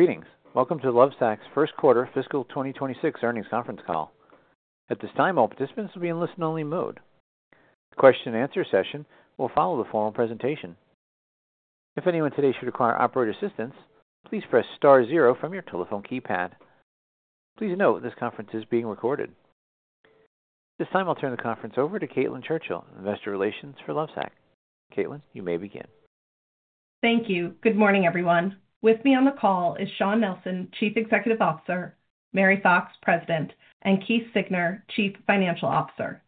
Greetings. Welcome to Lovesac's first quarter fiscal 2026 earnings conference call. At this time, all participants will be in listen-only mode. The question-and-answer session will follow the formal presentation. If anyone today should require operator assistance, please press star zero from your telephone keypad. Please note this conference is being recorded. At this time, I'll turn the conference over to Caitlin Churchill, Investor Relations for Lovesac. Caitlin, you may begin. Thank you. Good morning, everyone. With me on the call is Shawn Nelson, Chief Executive Officer; Mary Fox, President; and Keith Siegner, Chief Financial Officer.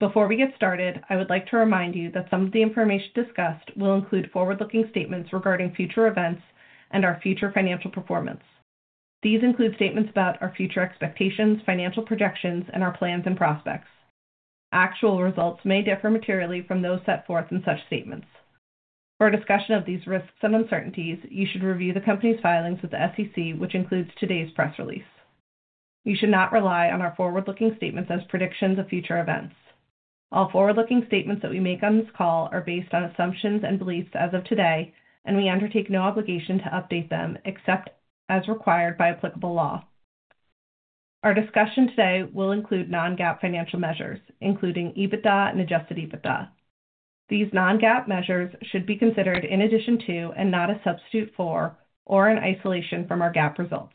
Before we get started, I would like to remind you that some of the information discussed will include forward-looking statements regarding future events and our future financial performance. These include statements about our future expectations, financial projections, and our plans and prospects. Actual results may differ materially from those set forth in such statements. For discussion of these risks and uncertainties, you should review the company's filings with the SEC, which includes today's press release. You should not rely on our forward-looking statements as predictions of future events. All forward-looking statements that we make on this call are based on assumptions and beliefs as of today, and we undertake no obligation to update them except as required by applicable law. Our discussion today will include non-GAAP financial measures, including EBITDA and adjusted EBITDA. These non-GAAP measures should be considered in addition to, and not a substitute for, or in isolation from our GAAP results.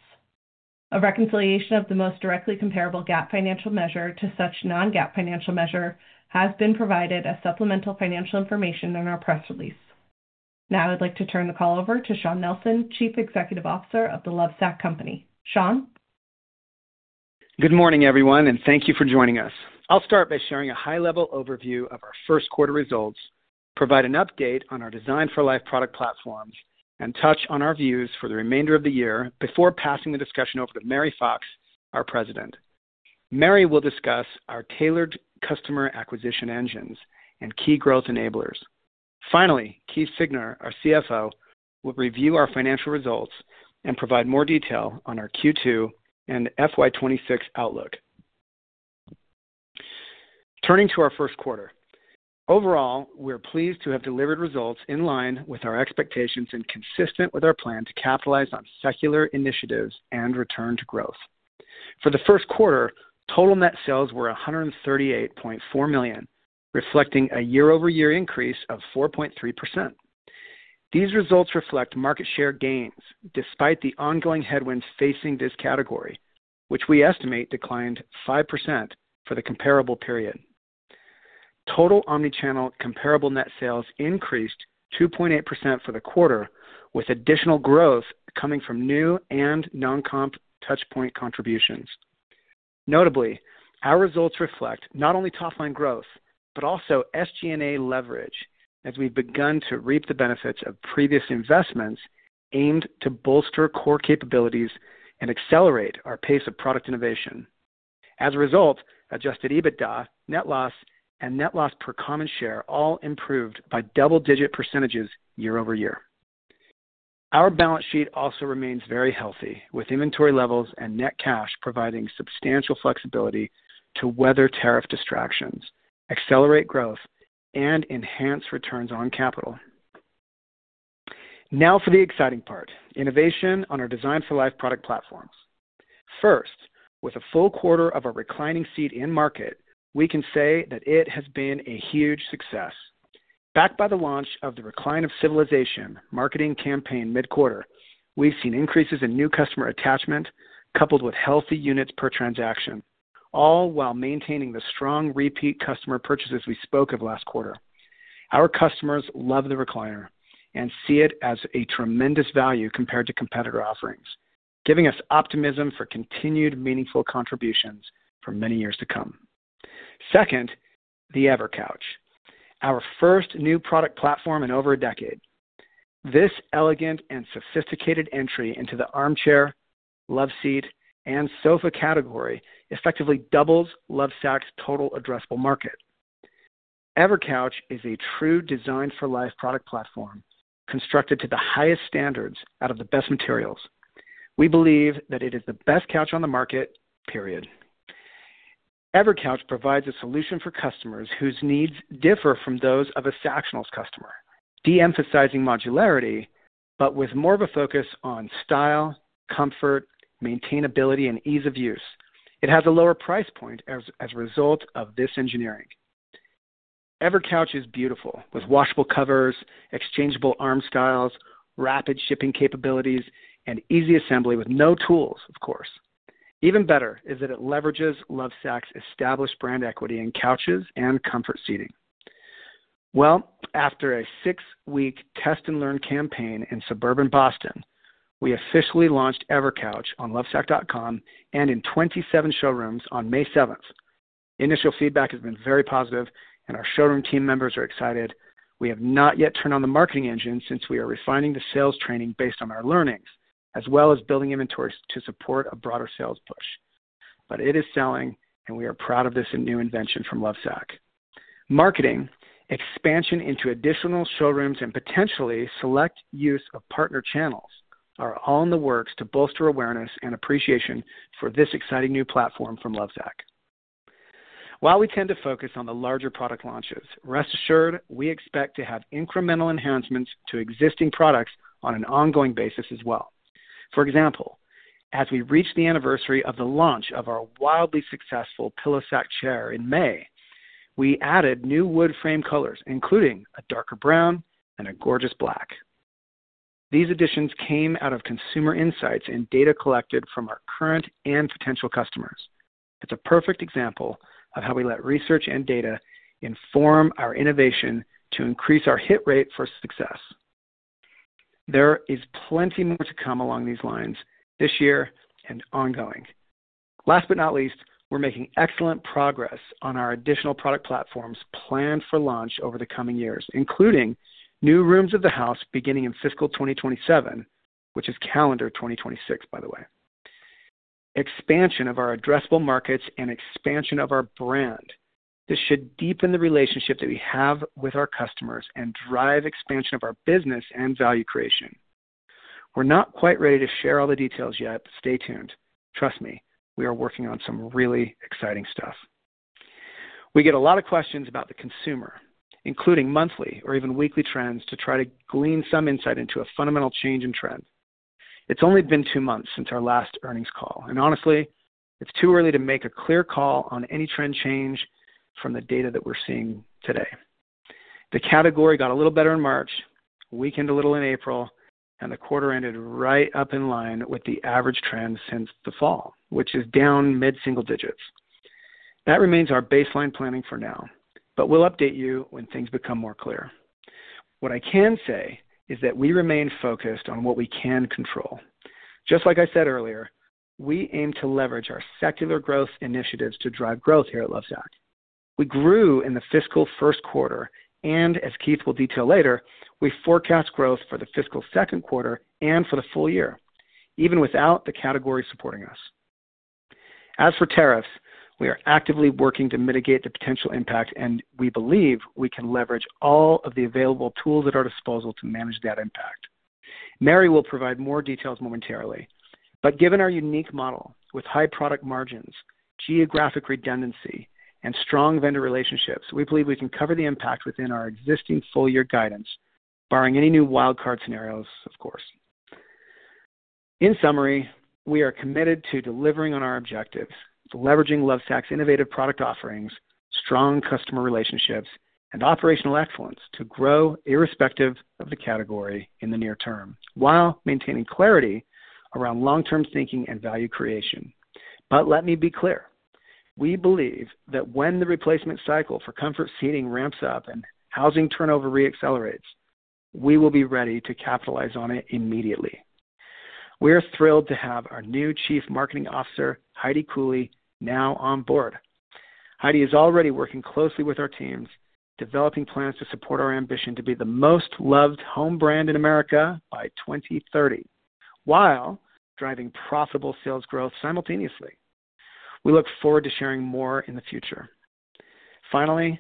A reconciliation of the most directly comparable GAAP financial measure to such non-GAAP financial measure has been provided as supplemental financial information in our press release. Now, I'd like to turn the call over to Shawn Nelson, Chief Executive Officer of The Lovesac Company. Shawn. Good morning, everyone, and thank you for joining us. I'll start by sharing a high-level overview of our first quarter results, provide an update on our design-for-life product platforms, and touch on our views for the remainder of the year before passing the discussion over to Mary Fox, our President. Mary will discuss our tailored customer acquisition engines and key growth enablers. Finally, Keith Siegner, our CFO, will review our financial results and provide more detail on our Q2 and FY2026 outlook. Turning to our first quarter, overall, we're pleased to have delivered results in line with our expectations and consistent with our plan to capitalize on secular initiatives and return to growth. For the first quarter, total net sales were $138.4 million, reflecting a year-over-year increase of 4.3%. These results reflect market share gains despite the ongoing headwinds facing this category, which we estimate declined 5% for the comparable period. Total omnichannel comparable net sales increased 2.8% for the quarter, with additional growth coming from new and non-comp touchpoint contributions. Notably, our results reflect not only top-line growth but also SG&A leverage, as we've begun to reap the benefits of previous investments aimed to bolster core capabilities and accelerate our pace of product innovation. As a result, adjusted EBITDA, net loss, and net loss per common share all improved by double-digit percentages year over year. Our balance sheet also remains very healthy, with inventory levels and net cash providing substantial flexibility to weather tariff distractions, accelerate growth, and enhance returns on capital. Now for the exciting part: innovation on our design-for-life product platforms. First, with a full quarter of a reclining seat in market, we can say that it has been a huge success. Backed by the launch of the Recline of Civilization marketing campaign mid-quarter, we've seen increases in new customer attachment coupled with healthy units per transaction, all while maintaining the strong repeat customer purchases we spoke of last quarter. Our customers love the recliner and see it as a tremendous value compared to competitor offerings, giving us optimism for continued meaningful contributions for many years to come. Second, the EverCouch, our first new product platform in over a decade. This elegant and sophisticated entry into the armchair, loveseat, and sofa category effectively doubles Lovesac's total addressable market. EverCouch is a true design-for-life product platform constructed to the highest standards out of the best materials. We believe that it is the best couch on the market, period. EverCouch provides a solution for customers whose needs differ from those of a Sactionals customer, de-emphasizing modularity but with more of a focus on style, comfort, maintainability, and ease of use. It has a lower price point as a result of this engineering. EverCouch is beautiful, with washable covers, exchangeable arm styles, rapid shipping capabilities, and easy assembly with no tools, of course. Even better is that it leverages Lovesac's established brand equity in couches and comfort seating. After a six-week test-and-learn campaign in suburban Boston, we officially launched EverCouch on lovesac.com and in 27 showrooms on May 7th. Initial feedback has been very positive, and our showroom team members are excited. We have not yet turned on the marketing engine since we are refining the sales training based on our learnings, as well as building inventories to support a broader sales push. It is selling, and we are proud of this new invention from Lovesac. Marketing, expansion into additional showrooms, and potentially select use of partner channels are all in the works to bolster awareness and appreciation for this exciting new platform from Lovesac. While we tend to focus on the larger product launches, rest assured we expect to have incremental enhancements to existing products on an ongoing basis as well. For example, as we reached the anniversary of the launch of our wildly successful PillowSac chair in May, we added new wood frame colors, including a darker brown and a gorgeous black. These additions came out of consumer insights and data collected from our current and potential customers. It's a perfect example of how we let research and data inform our innovation to increase our hit rate for success. There is plenty more to come along these lines this year and ongoing. Last but not least, we're making excellent progress on our additional product platforms planned for launch over the coming years, including new rooms of the house beginning in fiscal 2027, which is calendar 2026, by the way. Expansion of our addressable markets and expansion of our brand. This should deepen the relationship that we have with our customers and drive expansion of our business and value creation. We're not quite ready to share all the details yet, but stay tuned. Trust me, we are working on some really exciting stuff. We get a lot of questions about the consumer, including monthly or even weekly trends to try to glean some insight into a fundamental change in trend. It's only been two months since our last earnings call, and honestly, it's too early to make a clear call on any trend change from the data that we're seeing today. The category got a little better in March, weakened a little in April, and the quarter ended right up in line with the average trend since the fall, which is down mid-single digits. That remains our baseline planning for now, but we'll update you when things become more clear. What I can say is that we remain focused on what we can control. Just like I said earlier, we aim to leverage our secular growth initiatives to drive growth here at Lovesac. We grew in the fiscal first quarter, and as Keith will detail later, we forecast growth for the fiscal second quarter and for the full year, even without the category supporting us. As for tariffs, we are actively working to mitigate the potential impact, and we believe we can leverage all of the available tools at our disposal to manage that impact. Mary will provide more details momentarily, but given our unique model with high product margins, geographic redundancy, and strong vendor relationships, we believe we can cover the impact within our existing full-year guidance, barring any new wildcard scenarios, of course. In summary, we are committed to delivering on our objectives, leveraging Lovesac's innovative product offerings, strong customer relationships, and operational excellence to grow irrespective of the category in the near term while maintaining clarity around long-term thinking and value creation. Let me be clear. We believe that when the replacement cycle for comfort seating ramps up and housing turnover re-accelerates, we will be ready to capitalize on it immediately. We are thrilled to have our new Chief Marketing Officer, Heidi Cooley, now on board. Heidi is already working closely with our teams, developing plans to support our ambition to be the most loved home brand in America by 2030 while driving profitable sales growth simultaneously. We look forward to sharing more in the future. Finally,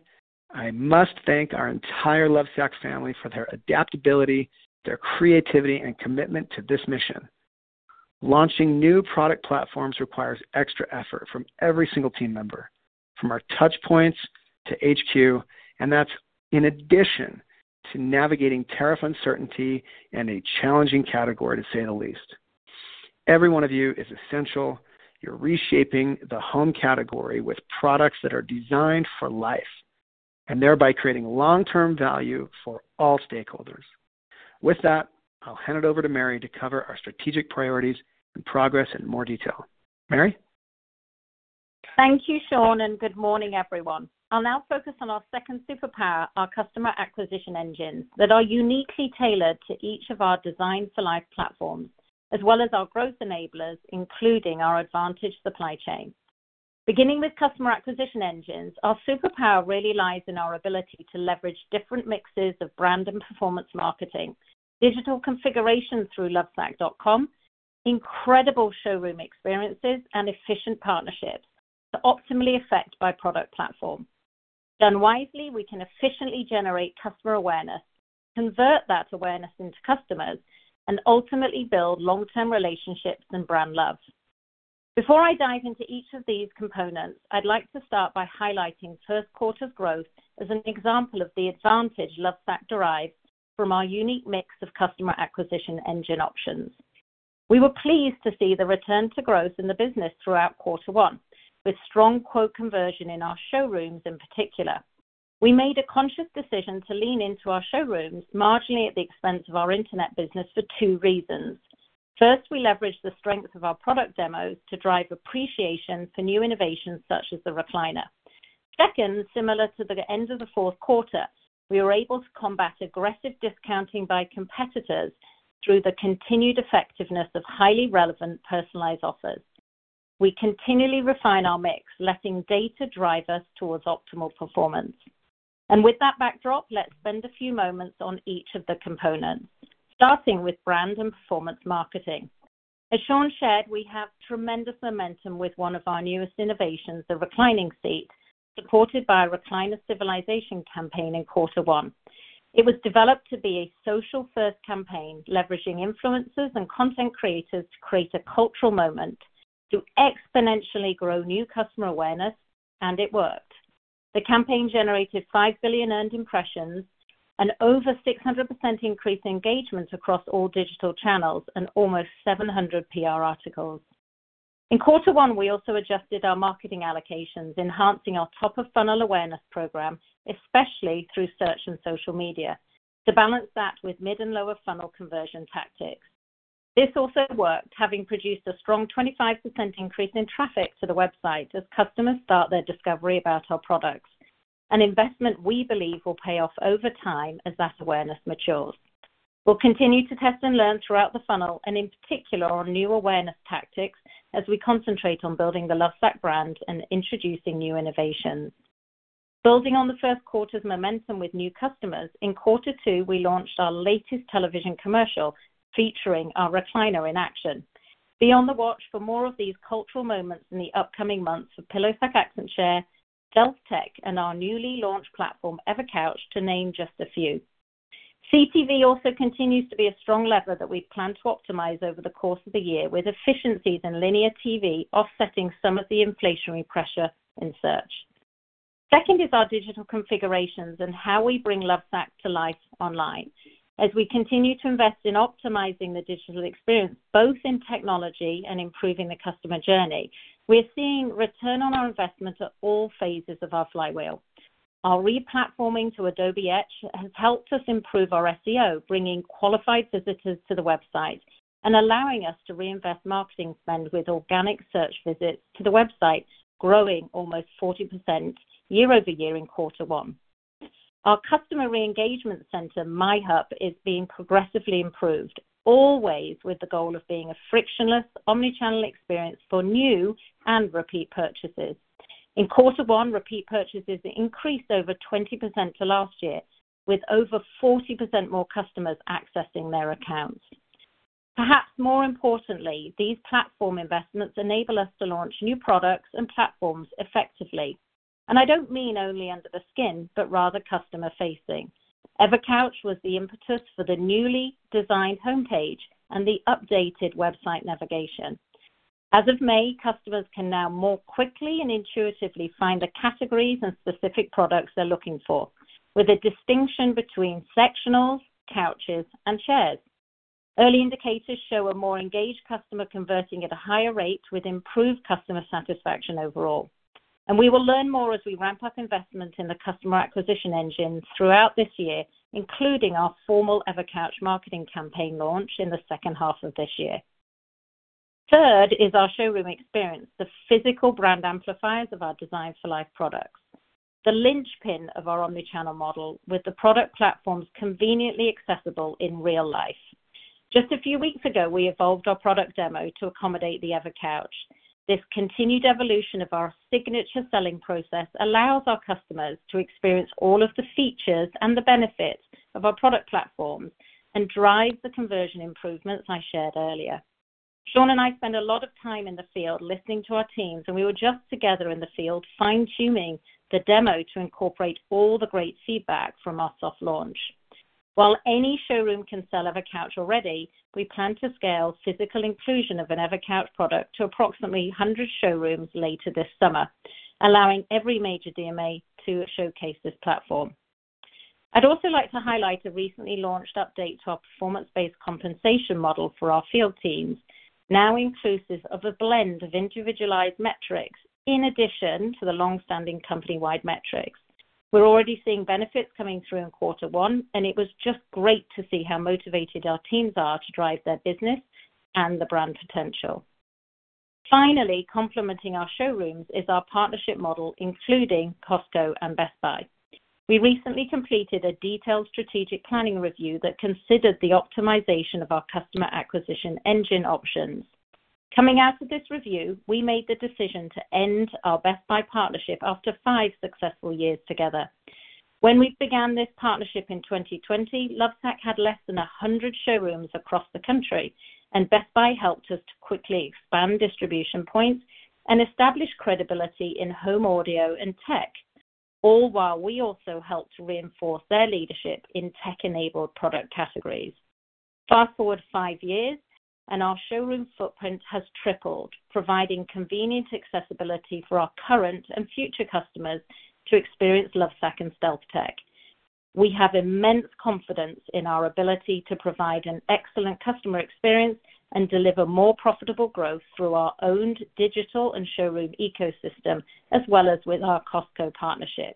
I must thank our entire Lovesac family for their adaptability, their creativity, and commitment to this mission. Launching new product platforms requires extra effort from every single team member, from our touchpoints to HQ, and that's in addition to navigating tariff uncertainty and a challenging category, to say the least. Every one of you is essential. You're reshaping the home category with products that are designed for life and thereby creating long-term value for all stakeholders. With that, I'll hand it over to Mary to cover our strategic priorities and progress in more detail. Mary? Thank you, Shawn, and good morning, everyone. I'll now focus on our second superpower, our customer acquisition engines that are uniquely tailored to each of our design-for-life platforms, as well as our growth enablers, including our advantage supply chain. Beginning with customer acquisition engines, our superpower really lies in our ability to leverage different mixes of brand and performance marketing, digital configuration through lovesac.com, incredible showroom experiences, and efficient partnerships to optimally affect by product platform. Done wisely, we can efficiently generate customer awareness, convert that awareness into customers, and ultimately build long-term relationships and brand love. Before I dive into each of these components, I'd like to start by highlighting first quarter's growth as an example of the advantage Lovesac derives from our unique mix of customer acquisition engine options. We were pleased to see the return to growth in the business throughout quarter one, with strong quote conversion in our showrooms in particular. We made a conscious decision to lean into our showrooms marginally at the expense of our internet business for two reasons. First, we leveraged the strength of our product demos to drive appreciation for new innovations such as the recliner. Second, similar to the end of the fourth quarter, we were able to combat aggressive discounting by competitors through the continued effectiveness of highly relevant personalized offers. We continually refine our mix, letting data drive us towards optimal performance. With that backdrop, let's spend a few moments on each of the components, starting with brand and performance marketing. As Shawn shared, we have tremendous momentum with one of our newest innovations, the reclining seat, supported by a Recline of Civilization campaign in quarter one. It was developed to be a social-first campaign, leveraging influencers and content creators to create a cultural moment to exponentially grow new customer awareness, and it worked. The campaign generated 5 billion earned impressions and over 600% increase in engagement across all digital channels and almost 700 PR articles. In quarter one, we also adjusted our marketing allocations, enhancing our top-of-funnel awareness program, especially through search and social media, to balance that with mid and lower-funnel conversion tactics. This also worked, having produced a strong 25% increase in traffic to the website as customers start their discovery about our products, an investment we believe will pay off over time as that awareness matures. We'll continue to test and learn throughout the funnel and in particular on new awareness tactics as we concentrate on building the Lovesac brand and introducing new innovations. Building on the first quarter's momentum with new customers, in quarter two, we launched our latest television commercial featuring our Recliner in action. Be on the watch for more of these cultural moments in the upcoming months for PillowSac Accent Chair Frame, StealthTech, and our newly launched platform, EverCouch, to name just a few. CTV also continues to be a strong lever that we plan to optimize over the course of the year, with efficiencies in linear TV offsetting some of the inflationary pressure in search. Second is our digital configurations and how we bring Lovesac to life online. As we continue to invest in optimizing the digital experience, both in technology and improving the customer journey, we're seeing return on our investment at all phases of our flywheel. Our re-platforming to Adobe Edge has helped us improve our SEO, bringing qualified visitors to the website and allowing us to reinvest marketing spend with organic search visits to the website, growing almost 40% year over year in quarter one. Our customer re-engagement center, MyHub, is being progressively improved, always with the goal of being a frictionless omnichannel experience for new and repeat purchases. In quarter one, repeat purchases increased over 20% to last year, with over 40% more customers accessing their accounts. Perhaps more importantly, these platform investments enable us to launch new products and platforms effectively. I do not mean only under the skin, but rather customer-facing. EverCouch was the impetus for the newly designed homepage and the updated website navigation. As of May, customers can now more quickly and intuitively find the categories and specific products they're looking for, with a distinction between sectionals, couches, and chairs. Early indicators show a more engaged customer converting at a higher rate with improved customer satisfaction overall. We will learn more as we ramp up investment in the customer acquisition engines throughout this year, including our formal EverCouch marketing campaign launch in the second half of this year. Third is our showroom experience, the physical brand amplifiers of our design-for-life products, the linchpin of our omnichannel model with the product platforms conveniently accessible in real life. Just a few weeks ago, we evolved our product demo to accommodate the EverCouch. This continued evolution of our signature selling process allows our customers to experience all of the features and the benefits of our product platforms and drives the conversion improvements I shared earlier. Shawn and I spend a lot of time in the field listening to our teams, and we were just together in the field fine-tuning the demo to incorporate all the great feedback from our soft launch. While any showroom can sell EverCouch already, we plan to scale physical inclusion of an EverCouch product to approximately 100 showrooms later this summer, allowing every major DMA to showcase this platform. I'd also like to highlight a recently launched update to our performance-based compensation model for our field teams, now inclusive of a blend of individualized metrics in addition to the long-standing company-wide metrics. We're already seeing benefits coming through in quarter one, and it was just great to see how motivated our teams are to drive their business and the brand potential. Finally, complementing our showrooms is our partnership model, including Costco and Best Buy. We recently completed a detailed strategic planning review that considered the optimization of our customer acquisition engine options. Coming out of this review, we made the decision to end our Best Buy partnership after five successful years together. When we began this partnership in 2020, Lovesac had less than 100 showrooms across the country, and Best Buy helped us to quickly expand distribution points and establish credibility in home audio and tech, all while we also helped reinforce their leadership in tech-enabled product categories. Fast forward five years, and our showroom footprint has tripled, providing convenient accessibility for our current and future customers to experience Lovesac and StealthTech. We have immense confidence in our ability to provide an excellent customer experience and deliver more profitable growth through our own digital and showroom ecosystem, as well as with our Costco partnership.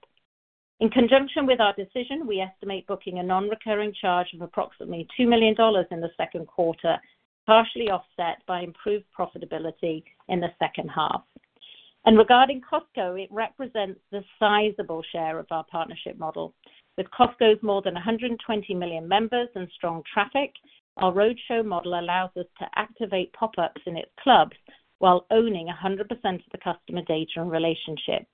In conjunction with our decision, we estimate booking a non-recurring charge of approximately $2 million in the second quarter, partially offset by improved profitability in the second half. Regarding Costco, it represents the sizable share of our partnership model. With Costco's more than 120 million members and strong traffic, our roadshow model allows us to activate pop-ups in its clubs while owning 100% of the customer data and relationship.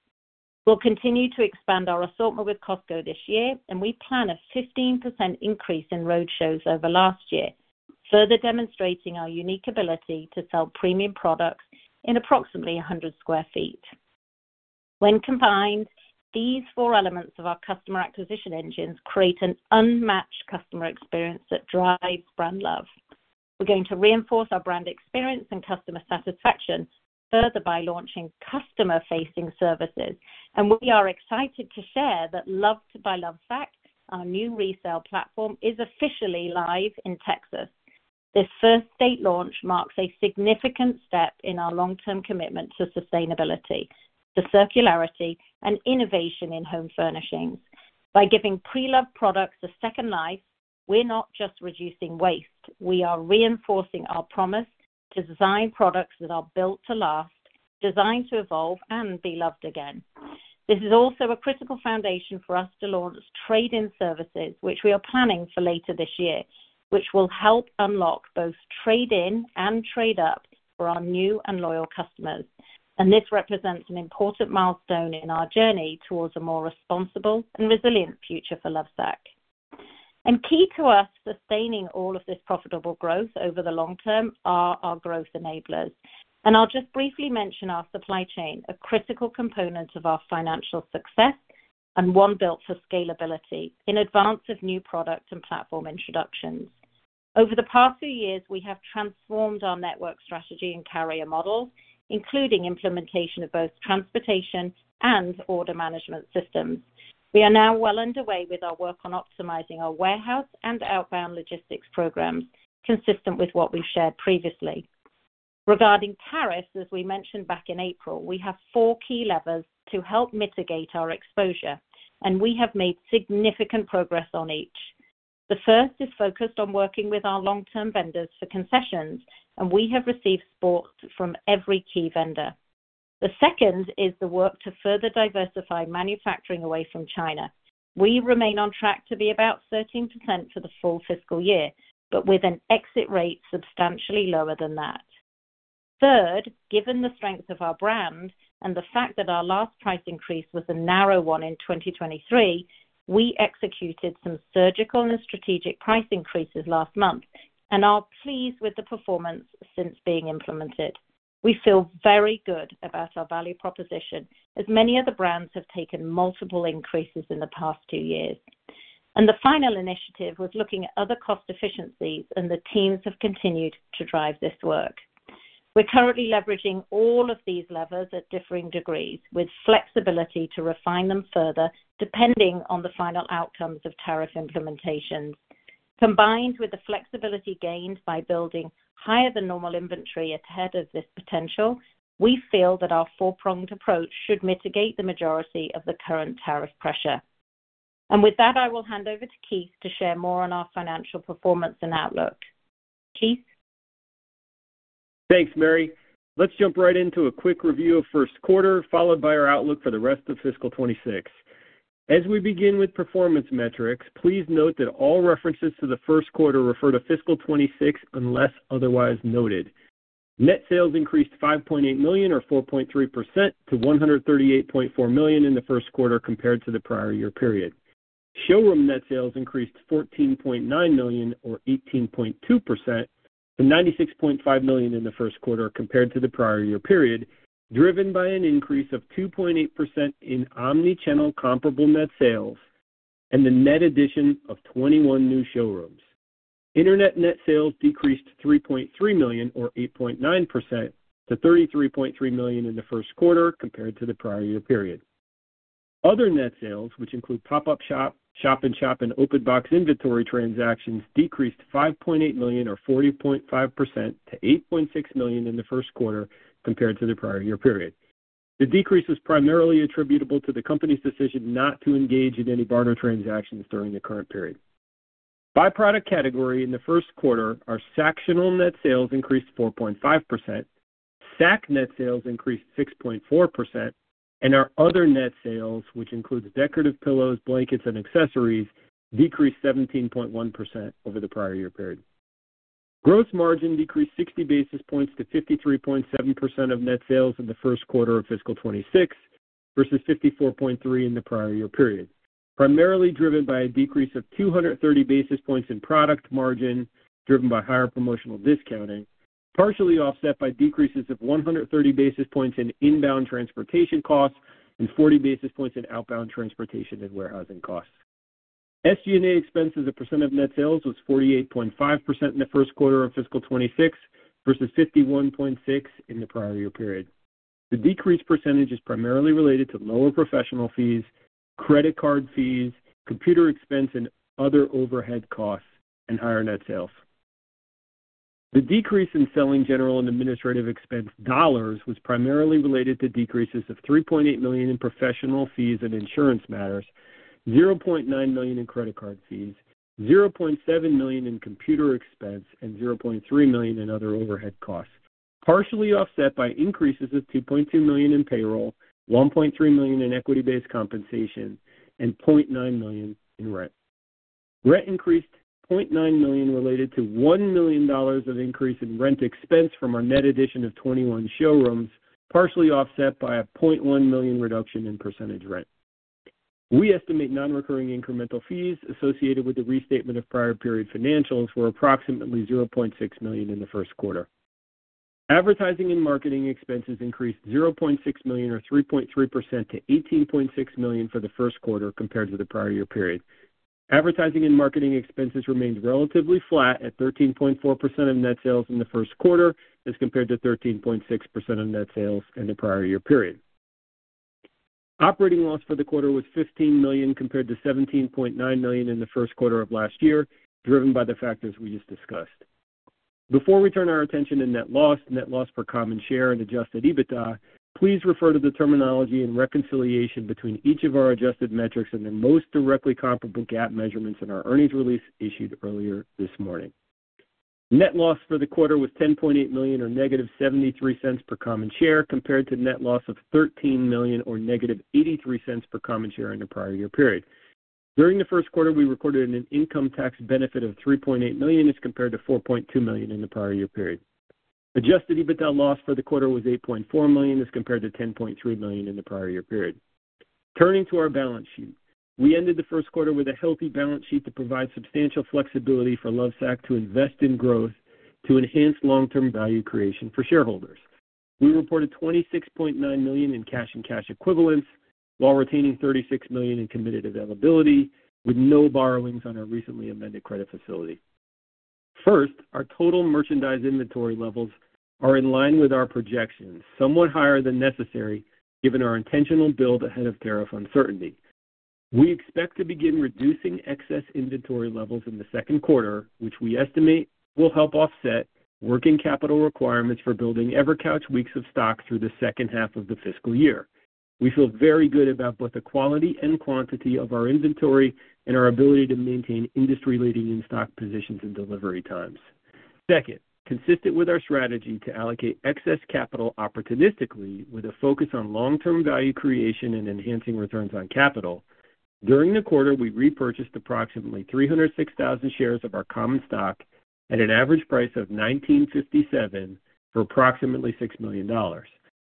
We'll continue to expand our assortment with Costco this year, and we plan a 15% increase in roadshows over last year, further demonstrating our unique ability to sell premium products in approximately 100 sq ft. When combined, these four elements of our customer acquisition engines create an unmatched customer experience that drives brand love. We're going to reinforce our brand experience and customer satisfaction further by launching customer-facing services. We are excited to share that Love to buy Lovesac, our new resale platform, is officially live in Texas. This first state launch marks a significant step in our long-term commitment to sustainability, to circularity, and innovation in home furnishings. By giving pre-loved products a second life, we're not just reducing waste. We are reinforcing our promise to design products that are built to last, designed to evolve and be loved again. This is also a critical foundation for us to launch trade-in services, which we are planning for later this year, which will help unlock both trade-in and trade-up for our new and loyal customers. This represents an important milestone in our journey towards a more responsible and resilient future for Lovesac. Key to us sustaining all of this profitable growth over the long term are our growth enablers. I'll just briefly mention our supply chain, a critical component of our financial success and one built for scalability in advance of new product and platform introductions. Over the past few years, we have transformed our network strategy and carrier models, including implementation of both transportation and order management systems. We are now well underway with our work on optimizing our warehouse and outbound logistics programs, consistent with what we've shared previously. Regarding tariffs, as we mentioned back in April, we have four key levers to help mitigate our exposure, and we have made significant progress on each. The first is focused on working with our long-term vendors for concessions, and we have received support from every key vendor. The second is the work to further diversify manufacturing away from China. We remain on track to be about 13% for the full fiscal year, with an exit rate substantially lower than that. Third, given the strength of our brand and the fact that our last price increase was a narrow one in 2023, we executed some surgical and strategic price increases last month and are pleased with the performance since being implemented. We feel very good about our value proposition, as many other brands have taken multiple increases in the past two years. The final initiative was looking at other cost efficiencies, and the teams have continued to drive this work. We're currently leveraging all of these levers at differing degrees, with flexibility to refine them further depending on the final outcomes of tariff implementations. Combined with the flexibility gained by building higher than normal inventory ahead of this potential, we feel that our four-pronged approach should mitigate the majority of the current tariff pressure. With that, I will hand over to Keith to share more on our financial performance and outlook. Keith. Thanks, Mary. Let's jump right into a quick review of first quarter, followed by our outlook for the rest of fiscal 2026. As we begin with performance metrics, please note that all references to the first quarter refer to fiscal 2026 unless otherwise noted. Net sales increased $5.8 million, or 4.3%, to $138.4 million in the first quarter compared to the prior year period. Showroom net sales increased $14.9 million, or 18.2%, to $96.5 million in the first quarter compared to the prior year period, driven by an increase of 2.8% in omnichannel comparable net sales and the net addition of 21 new showrooms. Internet net sales decreased $3.3 million, or 8.9%, to $33.3 million in the first quarter compared to the prior year period. Other net sales, which include pop-up shop, shop-in-shop, and open box inventory transactions, decreased $5.8 million, or 40.5%, to $8.6 million in the first quarter compared to the prior year period. The decrease was primarily attributable to the company's decision not to engage in any barter transactions during the current period. By product category in the first quarter, our Sactionals net sales increased 4.5%, Sacs net sales increased 6.4%, and our other net sales, which includes decorative pillows, blankets, and accessories, decreased 17.1% over the prior year period. Gross margin decreased 60 basis points to 53.7% of net sales in the first quarter of fiscal 2026 versus 54.3% in the prior year period, primarily driven by a decrease of 230 basis points in product margin driven by higher promotional discounting, partially offset by decreases of 130 basis points in inbound transportation costs and 40 basis points in outbound transportation and warehousing costs. SG&A expenses as a percent of net sales was 48.5% in the first quarter of fiscal 2026 versus 51.6% in the prior year period. The decreased percentage is primarily related to lower professional fees, credit card fees, computer expense, and other overhead costs and higher net sales. The decrease in selling, general, and administrative expense dollars was primarily related to decreases of $3.8 million in professional fees and insurance matters, $0.9 million in credit card fees, $0.7 million in computer expense, and $0.3 million in other overhead costs, partially offset by increases of $2.2 million in payroll, $1.3 million in equity-based compensation, and $0.9 million in rent. Rent increased $0.9 million related to $1 million of increase in rent expense from our net addition of 21 showrooms, partially offset by a $0.1 million reduction in percentage rent. We estimate non-recurring incremental fees associated with the restatement of prior period financials were approximately $0.6 million in the first quarter. Advertising and marketing expenses increased $0.6 million, or 3.3%, to $18.6 million for the first quarter compared to the prior year period. Advertising and marketing expenses remained relatively flat at 13.4% of net sales in the first quarter as compared to 13.6% of net sales in the prior year period. Operating loss for the quarter was $15 million compared to $17.9 million in the first quarter of last year, driven by the factors we just discussed. Before we turn our attention to net loss, net loss per common share, and adjusted EBITDA, please refer to the terminology and reconciliation between each of our adjusted metrics and the most directly comparable GAAP measurements in our earnings release issued earlier this morning. Net loss for the quarter was $10.8 million, or negative $0.73 per common share, compared to net loss of $13 million, or negative $0.83 per common share in the prior year period. During the first quarter, we recorded an income tax benefit of $3.8 million as compared to $4.2 million in the prior year period. Adjusted EBITDA loss for the quarter was $8.4 million as compared to $10.3 million in the prior year period. Turning to our balance sheet, we ended the first quarter with a healthy balance sheet to provide substantial flexibility for Lovesac to invest in growth to enhance long-term value creation for shareholders. We reported $26.9 million in cash and cash equivalents while retaining $36 million in committed availability with no borrowings on our recently amended credit facility. First, our total merchandise inventory levels are in line with our projections, somewhat higher than necessary given our intentional build ahead of tariff uncertainty. We expect to begin reducing excess inventory levels in the second quarter, which we estimate will help offset working capital requirements for building EverCouch weeks of stock through the second half of the fiscal year. We feel very good about both the quality and quantity of our inventory and our ability to maintain industry-leading in-stock positions and delivery times. Second, consistent with our strategy to allocate excess capital opportunistically with a focus on long-term value creation and enhancing returns on capital, during the quarter, we repurchased approximately 306,000 shares of our common stock at an average price of $19.57 for approximately $6 million.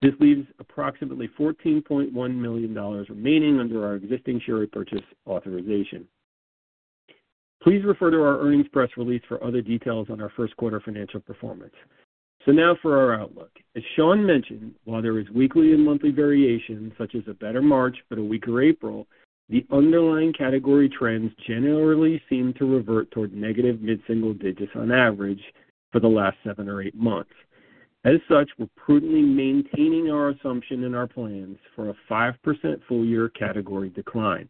This leaves approximately $14.1 million remaining under our existing share repurchase authorization. Please refer to our earnings press release for other details on our first quarter financial performance. Now for our outlook. As Shawn mentioned, while there is weekly and monthly variation, such as a better March but a weaker April, the underlying category trends generally seem to revert toward negative mid-single digits on average for the last seven or eight months. As such, we're prudently maintaining our assumption and our plans for a 5% full-year category decline.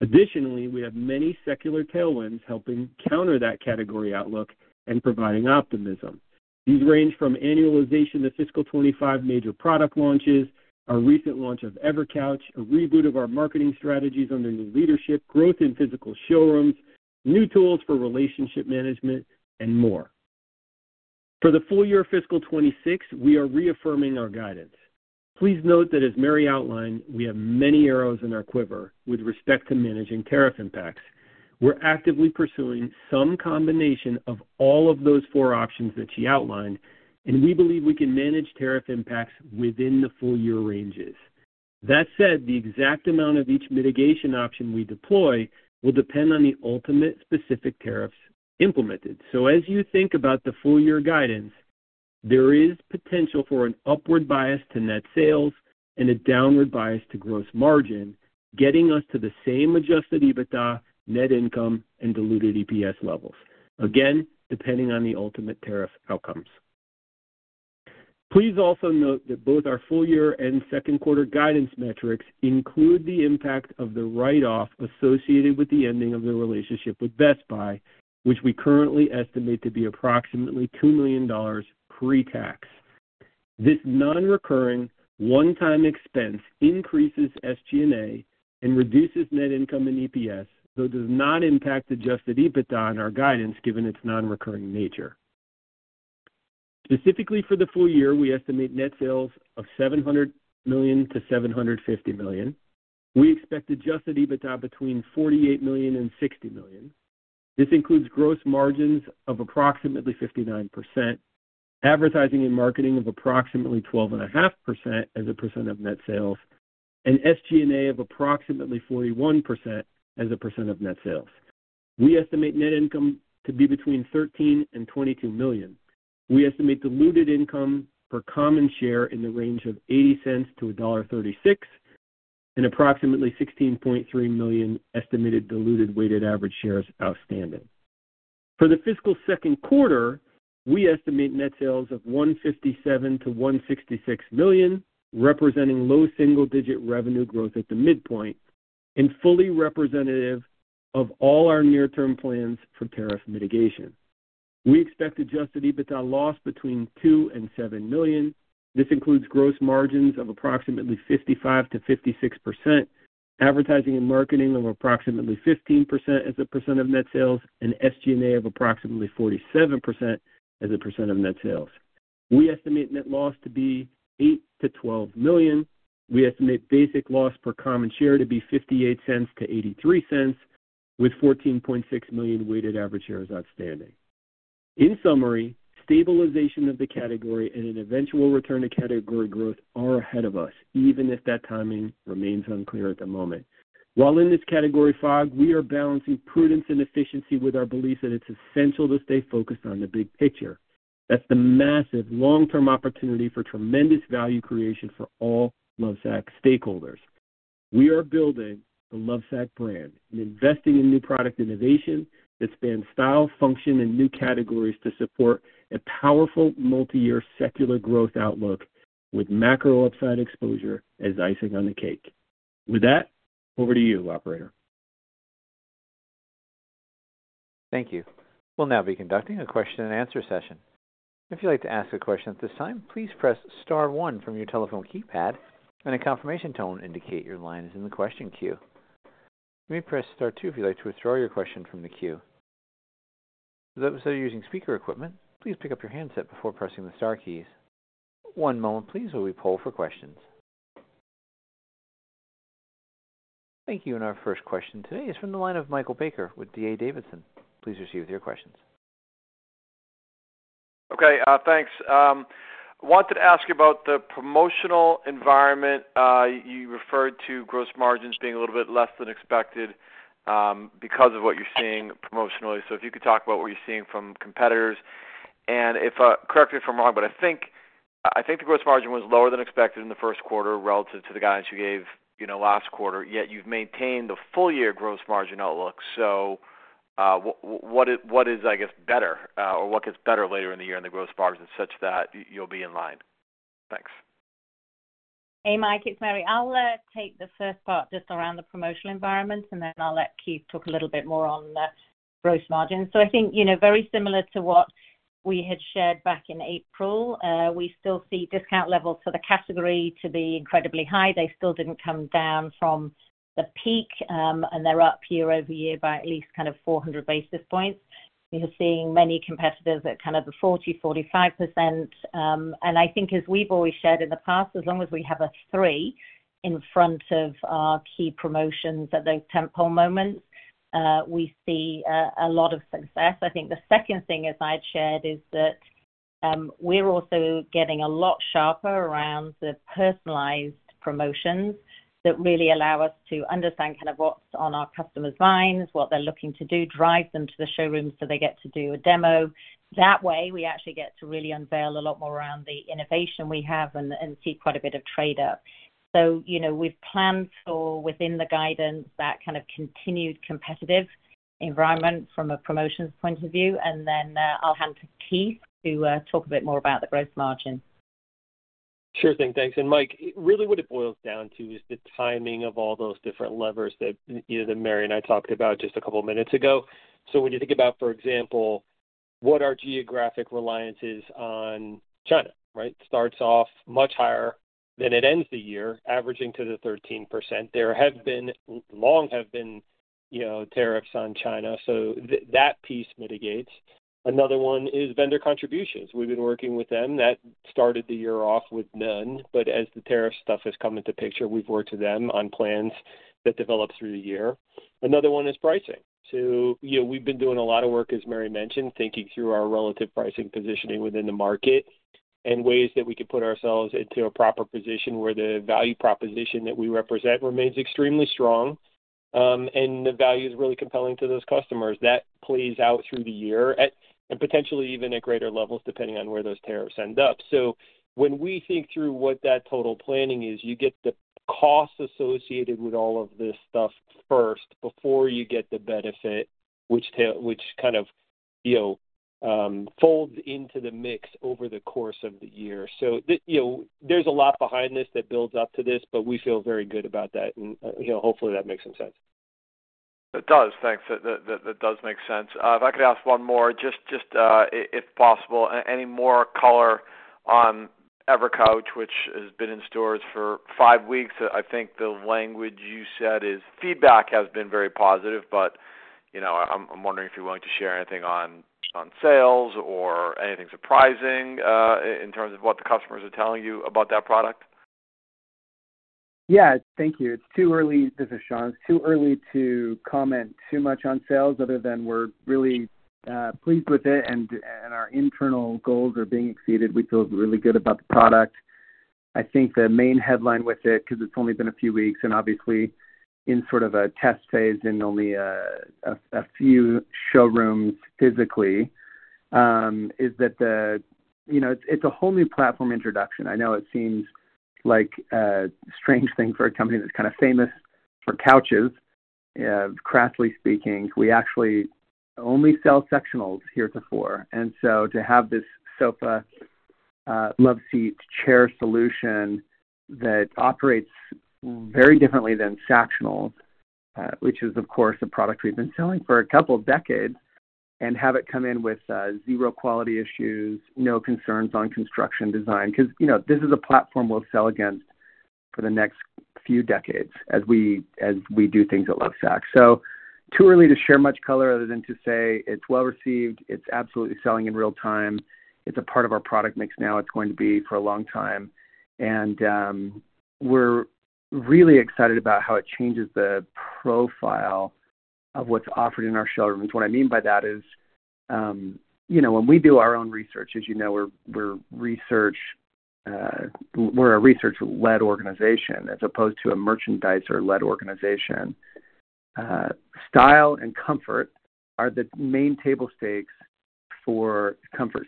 Additionally, we have many secular tailwinds helping counter that category outlook and providing optimism. These range from annualization to fiscal 2025 major product launches, a recent launch of EverCouch, a reboot of our marketing strategies under new leadership, growth in physical showrooms, new tools for relationship management, and more. For the full year of fiscal 2026, we are reaffirming our guidance. Please note that, as Mary outlined, we have many arrows in our quiver with respect to managing tariff impacts. We're actively pursuing some combination of all of those four options that she outlined, and we believe we can manage tariff impacts within the full-year ranges. That said, the exact amount of each mitigation option we deploy will depend on the ultimate specific tariffs implemented. As you think about the full-year guidance, there is potential for an upward bias to net sales and a downward bias to gross margin, getting us to the same adjusted EBITDA, net income, and diluted EPS levels, again, depending on the ultimate tariff outcomes. Please also note that both our full-year and second quarter guidance metrics include the impact of the write-off associated with the ending of the relationship with Best Buy, which we currently estimate to be approximately $2 million pre-tax. This non-recurring one-time expense increases SG&A and reduces net income and EPS, though does not impact adjusted EBITDA on our guidance given its non-recurring nature. Specifically for the full year, we estimate net sales of $700 million-$750 million. We expect adjusted EBITDA between $48 million and $60 million. This includes gross margins of approximately 59%, advertising and marketing of approximately 12.5% as a percent of net sales, and SG&A of approximately 41% as a percent of net sales. We estimate net income to be between $13 million and $22 million. We estimate diluted income per common share in the range of $0.80-$1.36 and approximately $16.3 million estimated diluted weighted average shares outstanding. For the fiscal second quarter, we estimate net sales of $157 million-$166 million, representing low single-digit revenue growth at the midpoint and fully representative of all our near-term plans for tariff mitigation. We expect adjusted EBITDA loss between $2 million and $7 million. This includes gross margins of approximately 55%-56%, advertising and marketing of approximately 15% as a percent of net sales, and SG&A of approximately 47% as a percent of net sales. We estimate net loss to be $8 million-$12 million. We estimate basic loss per common share to be $0.58-$0.83, with 14.6 million weighted average shares outstanding. In summary, stabilization of the category and an eventual return to category growth are ahead of us, even if that timing remains unclear at the moment. While in this category fog, we are balancing prudence and efficiency with our beliefs that it's essential to stay focused on the big picture. That's the massive long-term opportunity for tremendous value creation for all Lovesac stakeholders. We are building the Lovesac brand and investing in new product innovation that spans style, function, and new categories to support a powerful multi-year secular growth outlook with macro upside exposure as icing on the cake. With that, over to you, Operator. Thank you. We'll now be conducting a question-and-answer session. If you'd like to ask a question at this time, please press star one from your telephone keypad, and a confirmation tone will indicate your line is in the question queue. You may press star two if you'd like to withdraw your question from the queue. For those that are using speaker equipment, please pick up your handset before pressing the star keys. One moment, please, while we poll for questions. Thank you. Our first question today is from the line of Michael Baker with D.A. Davidson. Please proceed with your questions. Okay. Thanks. Wanted to ask you about the promotional environment. You referred to gross margins being a little bit less than expected because of what you're seeing promotionally. If you could talk about what you're seeing from competitors. Correct me if I'm wrong, but I think the gross margin was lower than expected in the first quarter relative to the guidance you gave last quarter, yet you've maintained the full-year gross margin outlook. What is, I guess, better or what gets better later in the year in the gross margin such that you'll be in line? Thanks. Hey, Mike. It's Mary. I'll take the first part just around the promotional environment, and then I'll let Keith talk a little bit more on the gross margins. I think very similar to what we had shared back in April, we still see discount levels for the category to be incredibly high. They still did not come down from the peak, and they are up year over year by at least kind of 400 basis points. We are seeing many competitors at kind of the 40%-45%. I think as we have always shared in the past, as long as we have a three in front of our key promotions at those tentpole moments, we see a lot of success. I think the second thing as I had shared is that we are also getting a lot sharper around the personalized promotions that really allow us to understand kind of what is on our customers' minds, what they are looking to do, drive them to the showrooms so they get to do a demo. That way, we actually get to really unveil a lot more around the innovation we have and see quite a bit of trade-off. We have planned for within the guidance that kind of continued competitive environment from a promotions point of view. I will hand to Keith to talk a bit more about the gross margin. Sure thing. Thanks. Mike, really what it boils down to is the timing of all those different levers that Mary and I talked about just a couple of minutes ago. When you think about, for example, what our geographic reliance is on China, right? Starts off much higher than it ends the year, averaging to the 13%. There have long been tariffs on China, so that piece mitigates. Another one is vendor contributions. We have been working with them. That started the year off with none, but as the tariff stuff has come into the picture, we've worked with them on plans that develop through the year. Another one is pricing. We've been doing a lot of work, as Mary mentioned, thinking through our relative pricing positioning within the market and ways that we could put ourselves into a proper position where the value proposition that we represent remains extremely strong and the value is really compelling to those customers. That plays out through the year and potentially even at greater levels depending on where those tariffs end up. When we think through what that total planning is, you get the cost associated with all of this stuff first before you get the benefit, which kind of folds into the mix over the course of the year. There is a lot behind this that builds up to this, but we feel very good about that. Hopefully, that makes some sense. It does. Thanks. That does make sense. If I could ask one more, just if possible, any more color on EverCouch, which has been in stores for five weeks. I think the language you said is feedback has been very positive, but I'm wondering if you're willing to share anything on sales or anything surprising in terms of what the customers are telling you about that product. Yeah. Thank you. This is Shawn. It's too early to comment too much on sales other than we're really pleased with it and our internal goals are being exceeded. We feel really good about the product. I think the main headline with it, because it's only been a few weeks and obviously in sort of a test phase and only a few showrooms physically, is that it's a whole new platform introduction. I know it seems like a strange thing for a company that's kind of famous for couches. Craftly speaking, we actually only sell sectionals heretofore. And to have this sofa, loveseat, chair solution that operates very differently than sectionals, which is, of course, a product we've been selling for a couple of decades, and have it come in with zero quality issues, no concerns on construction design. Because this is a platform we'll sell against for the next few decades as we do things at Lovesac. Too early to share much color other than to say it's well received. It's absolutely selling in real time. It's a part of our product mix now. It's going to be for a long time. We're really excited about how it changes the profile of what's offered in our showrooms. What I mean by that is when we do our own research, as you know, we're a research-led organization as opposed to a merchandiser-led organization. Style and comfort are the main table stakes for comfort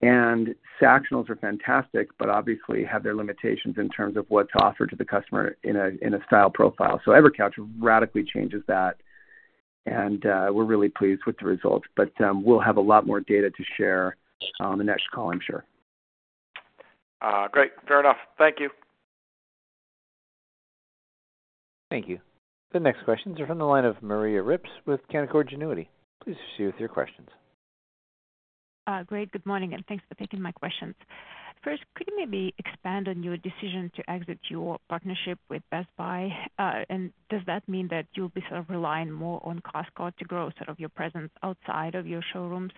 seating. Sectionals are fantastic, but obviously have their limitations in terms of what's offered to the customer in a style profile. EverCouch radically changes that, and we're really pleased with the results. We'll have a lot more data to share on the next call, I'm sure. Great. Fair enough. Thank you. Thank you. The next questions are from the line of Maria Ripps with Canaccord Genuity. Please proceed with your questions. Great. Good morning, and thanks for taking my questions. First, could you maybe expand on your decision to exit your partnership with Best Buy? Does that mean that you'll be sort of relying more on Costco to grow sort of your presence outside of your showrooms?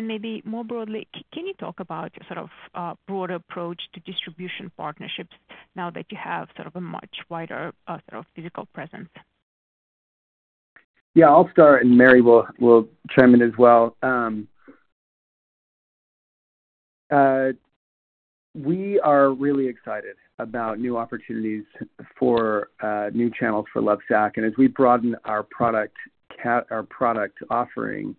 Maybe more broadly, can you talk about your sort of broader approach to distribution partnerships now that you have sort of a much wider sort of physical presence? Yeah. I'll start, and Mary will chime in as well. We are really excited about new opportunities for new channels for Lovesac. As we broaden our product offering,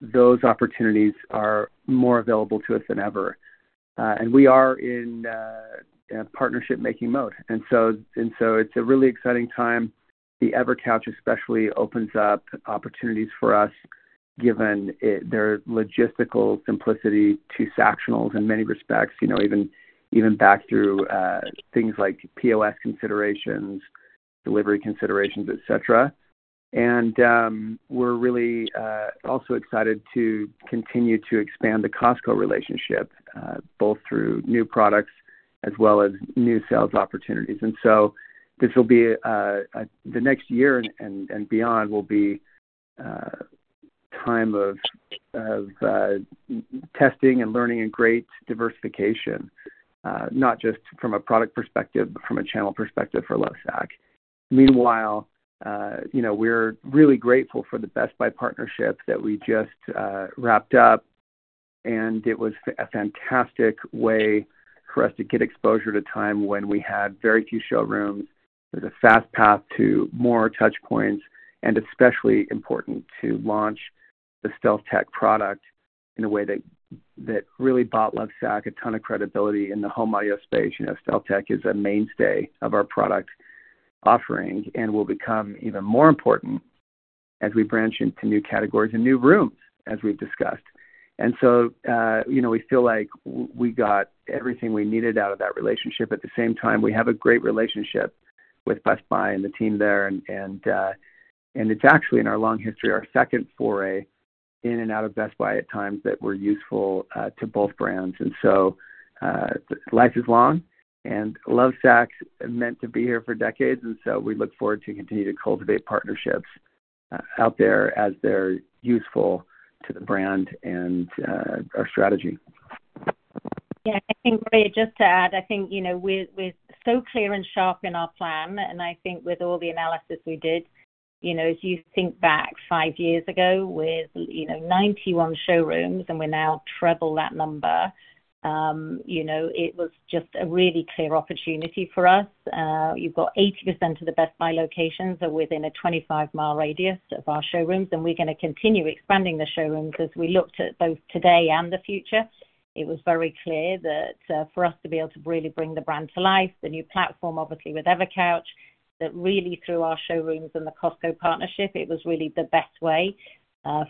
those opportunities are more available to us than ever. We are in partnership-making mode. It is a really exciting time. The EverCouch especially opens up opportunities for us given their logistical simplicity to Sactionals in many respects, even back through things like POS considerations, delivery considerations, etc. We are really also excited to continue to expand the Costco relationship both through new products as well as new sales opportunities. This will be the next year and beyond will be a time of testing and learning and great diversification, not just from a product perspective, but from a channel perspective for Lovesac. Meanwhile, we are really grateful for the Best Buy partnership that we just wrapped up, and it was a fantastic way for us to get exposure at a time when we had very few showrooms. It was a fast path to more touchpoints and especially important to launch the Stealth Tech product in a way that really bought Lovesac a ton of credibility in the home audio space. StealthTech is a mainstay of our product offering and will become even more important as we branch into new categories and new rooms, as we've discussed. We feel like we got everything we needed out of that relationship. At the same time, we have a great relationship with Best Buy and the team there. It is actually, in our long history, our second foray in and out of Best Buy at times that were useful to both brands. Life is long, and Lovesac is meant to be here for decades, and we look forward to continuing to cultivate partnerships out there as they're useful to the brand and our strategy. Yeah. I think, Maria, just to add, I think we're so clear and sharp in our plan. I think with all the analysis we did, as you think back five years ago with 91 showrooms and we now treble that number, it was just a really clear opportunity for us. You've got 80% of the Best Buy locations are within a 25-mile radius of our showrooms, and we're going to continue expanding the showrooms as we looked at both today and the future. It was very clear that for us to be able to really bring the brand to life, the new platform, obviously with EverCouch, that really through our showrooms and the Costco partnership, it was really the best way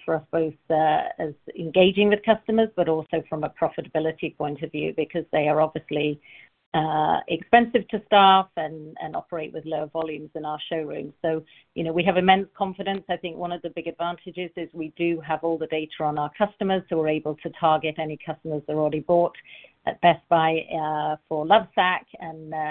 for us both as engaging with customers, but also from a profitability point of view because they are obviously expensive to staff and operate with lower volumes in our showrooms. We have immense confidence. I think one of the big advantages is we do have all the data on our customers, so we're able to target any customers that have already bought at Best Buy for Lovesac.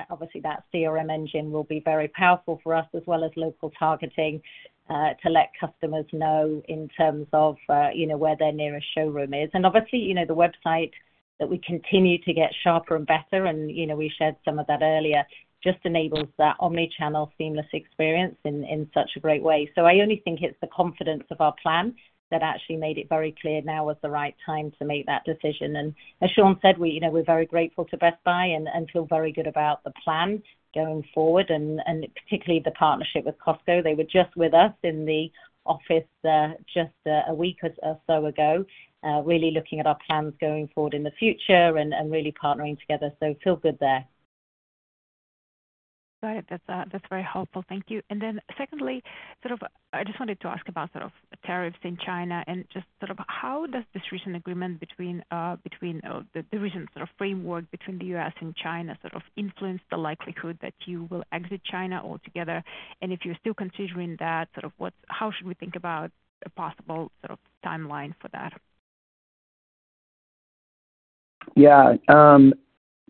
Obviously, that CRM engine will be very powerful for us as well as local targeting to let customers know in terms of where their nearest showroom is. Obviously, the website that we continue to get sharper and better, and we shared some of that earlier, just enables that omnichannel seamless experience in such a great way. I only think it's the confidence of our plan that actually made it very clear now was the right time to make that decision. As Shawn said, we're very grateful to Best Buy and feel very good about the plan going forward, and particularly the partnership with Costco. They were just with us in the office just a week or so ago, really looking at our plans going forward in the future and really partnering together. I feel good there. Got it. That's very helpful. Thank you. Secondly, I just wanted to ask about tariffs in China and how does this recent agreement between the recent framework between the U.S. and China influence the likelihood that you will exit China altogether? If you're still considering that, how should we think about a possible timeline for that? Yeah.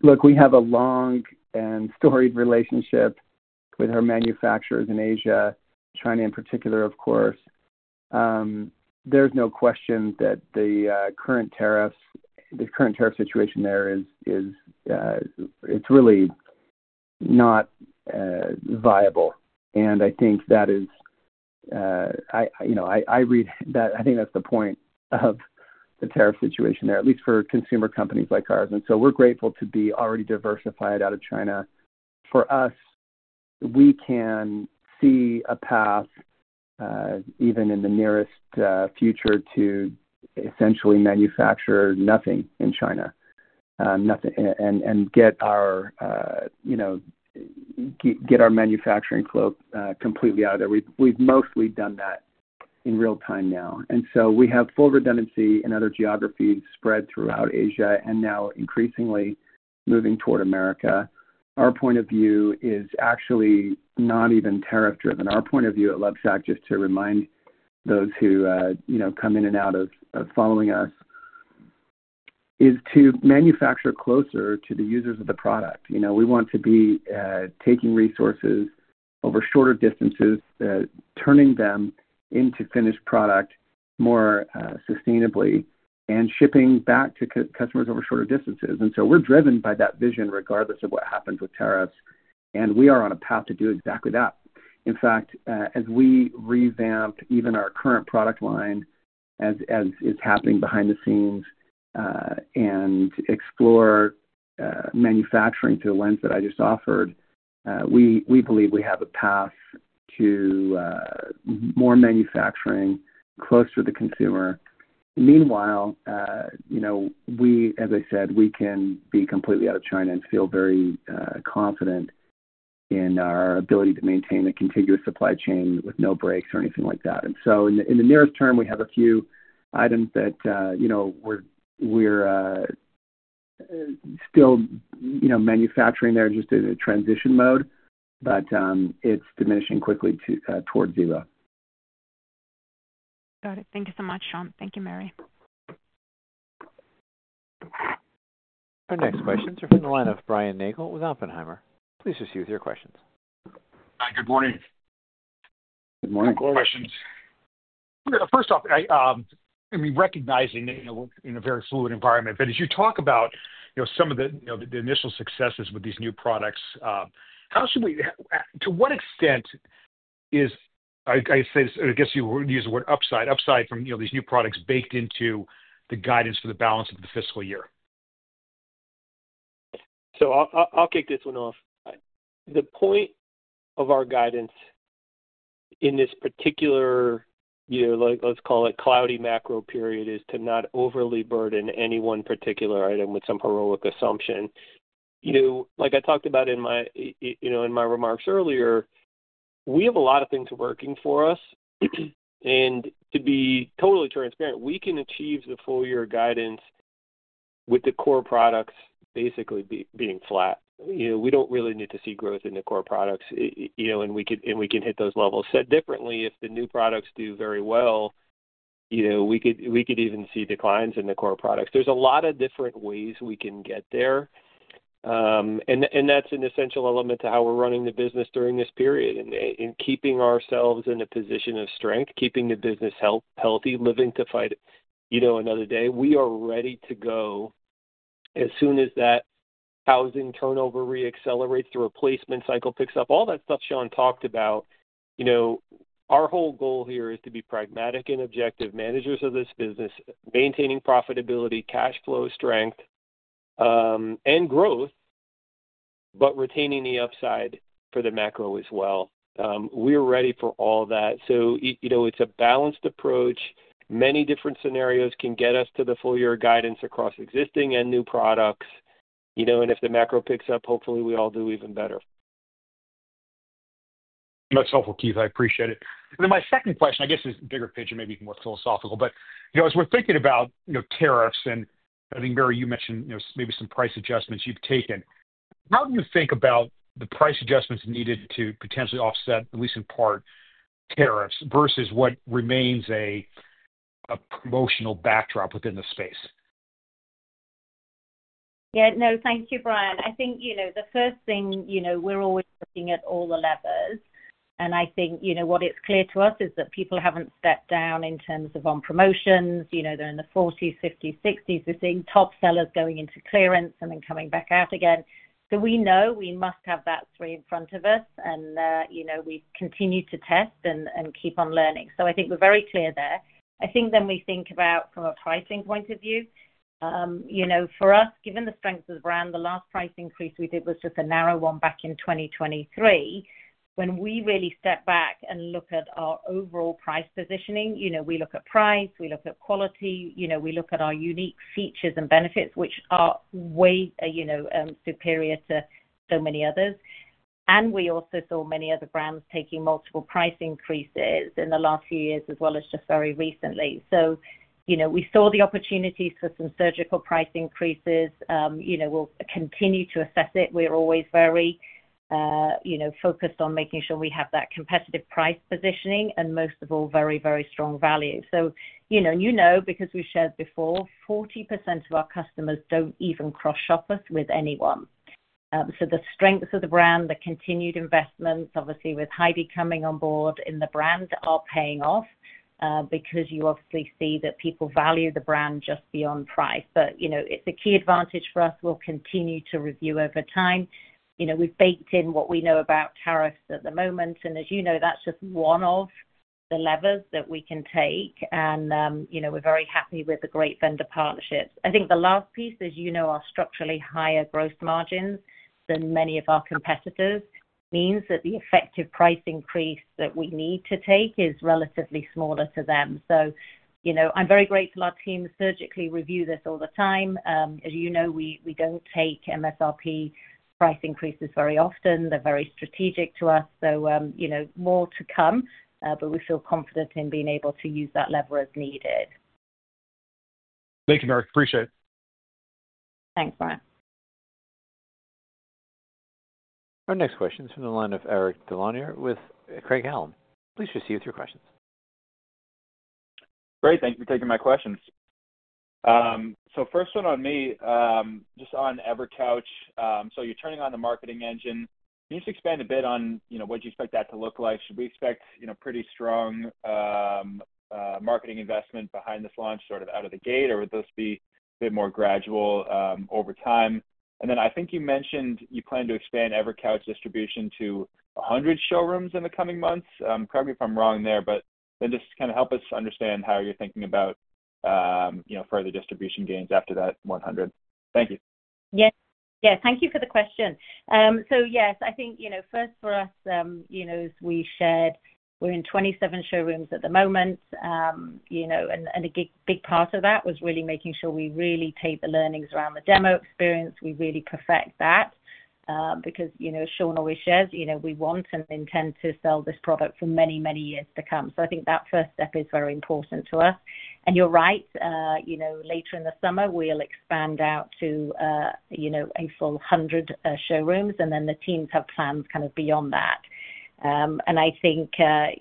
Look, we have a long and storied relationship with our manufacturers in Asia, China in particular, of course. There's no question that the current tariff situation there is really not viable. I think that is, I read that, I think that's the point of the tariff situation there, at least for consumer companies like ours. We are grateful to be already diversified out of China. For us, we can see a path even in the nearest future to essentially manufacture nothing in China and get our manufacturing flow completely out of there. We've mostly done that in real time now. We have full redundancy in other geographies spread throughout Asia and now increasingly moving toward America. Our point of view is actually not even tariff-driven. Our point of view at Lovesac, just to remind those who come in and out of following us, is to manufacture closer to the users of the product. We want to be taking resources over shorter distances, turning them into finished product more sustainably, and shipping back to customers over shorter distances. We are driven by that vision regardless of what happens with tariffs. We are on a path to do exactly that. In fact, as we revamp even our current product line, as is happening behind the scenes, and explore manufacturing through the lens that I just offered, we believe we have a path to more manufacturing closer to the consumer. Meanwhile, as I said, we can be completely out of China and feel very confident in our ability to maintain a contiguous supply chain with no breaks or anything like that. In the nearest term, we have a few items that we're still manufacturing there just in a transition mode, but it's diminishing quickly toward zero. Got it. Thank you so much, Shawn. Thank you, Mary. Our next questions are from the line of Brian Nagel with Oppenheimer. Please proceed with your questions. Hi. Good morning. Good morning. Questions. First off, I mean, recognizing that we're in a very fluid environment, but as you talk about some of the initial successes with these new products, how should we, to what extent is, I guess you would use the word upside, upside from these new products baked into the guidance for the balance of the fiscal year? I'll kick this one off. The point of our guidance in this particular, let's call it cloudy macro period, is to not overly burden any one particular item with some heroic assumption. Like I talked about in my remarks earlier, we have a lot of things working for us. To be totally transparent, we can achieve the full year guidance with the core products basically being flat. We don't really need to see growth in the core products, and we can hit those levels. Said differently, if the new products do very well, we could even see declines in the core products. There are a lot of different ways we can get there. That is an essential element to how we are running the business during this period and keeping ourselves in a position of strength, keeping the business healthy, living to fight another day. We are ready to go as soon as that housing turnover reaccelerates, the replacement cycle picks up, all that stuff Shawn talked about. Our whole goal here is to be pragmatic and objective managers of this business, maintaining profitability, cash flow, strength, and growth, but retaining the upside for the macro as well. We are ready for all that. It is a balanced approach. Many different scenarios can get us to the full year guidance across existing and new products. If the macro picks up, hopefully we all do even better. That's helpful, Keith. I appreciate it. My second question, I guess, is bigger picture, maybe even more philosophical. But as we're thinking about tariffs and I think, Mary, you mentioned maybe some price adjustments you've taken. How do you think about the price adjustments needed to potentially offset, at least in part, tariffs versus what remains a promotional backdrop within the space? Yeah. No, thank you, Brian. I think the first thing, we're always looking at all the levers. I think what is clear to us is that people haven't stepped down in terms of on promotions. They're in the 40s, 50s, 60s. We're seeing top sellers going into clearance and then coming back out again. We know we must have that three in front of us, and we continue to test and keep on learning. I think we're very clear there. I think then we think about from a pricing point of view. For us, given the strength of the brand, the last price increase we did was just a narrow one back in 2023. When we really step back and look at our overall price positioning, we look at price, we look at quality, we look at our unique features and benefits, which are way superior to so many others. We also saw many other brands taking multiple price increases in the last few years as well as just very recently. We saw the opportunities for some surgical price increases. We'll continue to assess it. We're always very focused on making sure we have that competitive price positioning and most of all, very, very strong value. You know because we've shared before, 40% of our customers don't even cross-shop us with anyone. The strengths of the brand, the continued investments, obviously with Heidi coming on board in the brand, are paying off because you obviously see that people value the brand just beyond price. It is a key advantage for us. We'll continue to review over time. We've baked in what we know about tariffs at the moment. As you know, that's just one of the levers that we can take. We're very happy with the great vendor partnerships. I think the last piece is our structurally higher gross margins than many of our competitors means that the effective price increase that we need to take is relatively smaller to them. I'm very grateful our team surgically reviews this all the time. As you know, we don't take MSRP price increases very often. They're very strategic to us. More to come, but we feel confident in being able to use that lever as needed. Thank you, Mary. Appreciate it. Thanks, Brian. Our next question is from the line of Eric Delaunier with Craig Allen. Please proceed with your questions. Great. Thank you for taking my questions. First one on me, just on EverCouch. You're turning on the marketing engine. Can you just expand a bit on what you expect that to look like? Should we expect pretty strong marketing investment behind this launch sort of out of the gate, or would this be a bit more gradual over time? I think you mentioned you plan to expand EverCouch distribution to 100 showrooms in the coming months. Correct me if I'm wrong there, but then just kind of help us understand how you're thinking about further distribution gains after that 100. Thank you. Yeah. Thank you for the question. Yes, I think first for us, as we shared, we're in 27 showrooms at the moment. A big part of that was really making sure we really take the learnings around the demo experience. We really perfect that because as Shawn always shares, we want and intend to sell this product for many, many years to come. I think that first step is very important to us. You're right. Later in the summer, we'll expand out to a full 100 showrooms, and then the teams have plans kind of beyond that. I think I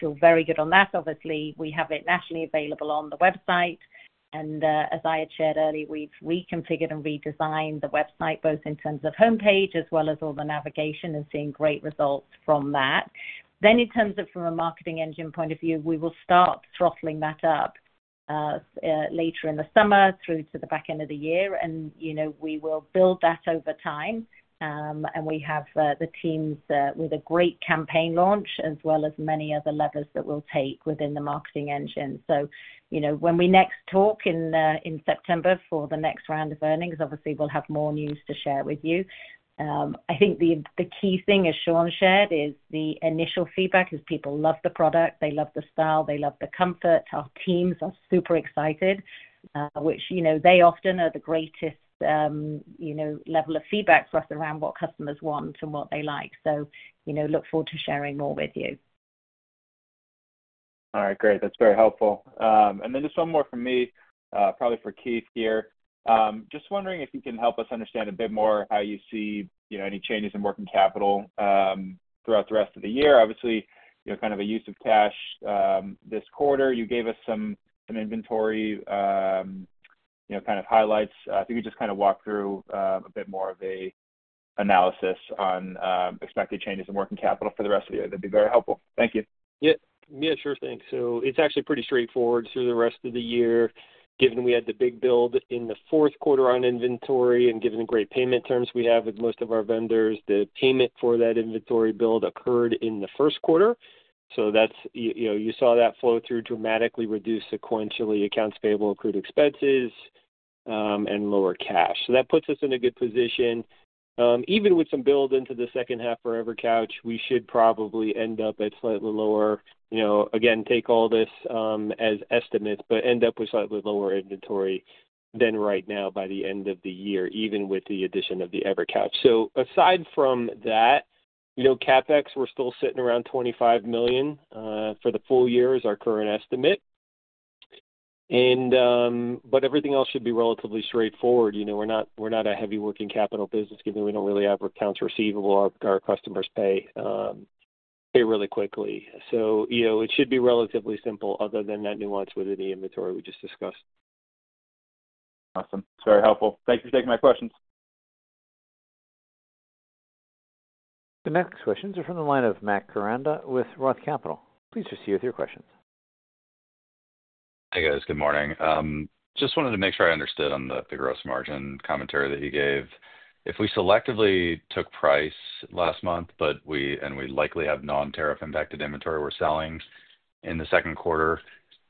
feel very good on that. Obviously, we have it nationally available on the website. As I had shared earlier, we've reconfigured and redesigned the website both in terms of homepage as well as all the navigation and seeing great results from that. In terms of from a marketing engine point of view, we will start throttling that up later in the summer through to the back end of the year. We will build that over time. We have the teams with a great campaign launch as well as many other levers that we'll take within the marketing engine. When we next talk in September for the next round of earnings, obviously, we'll have more news to share with you. I think the key thing, as Shawn shared, is the initial feedback is people love the product. They love the style. They love the comfort. Our teams are super excited, which they often are the greatest level of feedback for us around what customers want and what they like. Look forward to sharing more with you. All right. Great. That is very helpful. Then just one more from me, probably for Keith here. Just wondering if you can help us understand a bit more how you see any changes in working capital throughout the rest of the year. Obviously, kind of a use of cash this quarter. You gave us some inventory highlights. If you could just walk through a bit more of an analysis on expected changes in working capital for the rest of the year, that would be very helpful. Thank you. Yeah. Sure thing. It is actually pretty straightforward through the rest of the year. Given we had the big build in the fourth quarter on inventory and given the great payment terms we have with most of our vendors, the payment for that inventory build occurred in the first quarter. You saw that flow through dramatically reduce sequentially accounts payable, accrued expenses, and lower cash. That puts us in a good position. Even with some build into the second half for EverCouch, we should probably end up at slightly lower. Again, take all this as estimates, but end up with slightly lower inventory than right now by the end of the year, even with the addition of the EverCouch. Aside from that, CapEx, we're still sitting around $25 million for the full year as our current estimate. Everything else should be relatively straightforward. We're not a heavy working capital business given we don't really have accounts receivable. Our customers pay really quickly. So it should be relatively simple other than that nuance within the inventory we just discussed. Awesome. It's very helpful. Thank you for taking my questions. The next questions are from the line of Matt Koranda with ROTH Capital. Please proceed with your questions. Hey, guys. Good morning. Just wanted to make sure I understood on the gross margin commentary that you gave. If we selectively took price last month and we likely have non-tariff impacted inventory we're selling in the second quarter,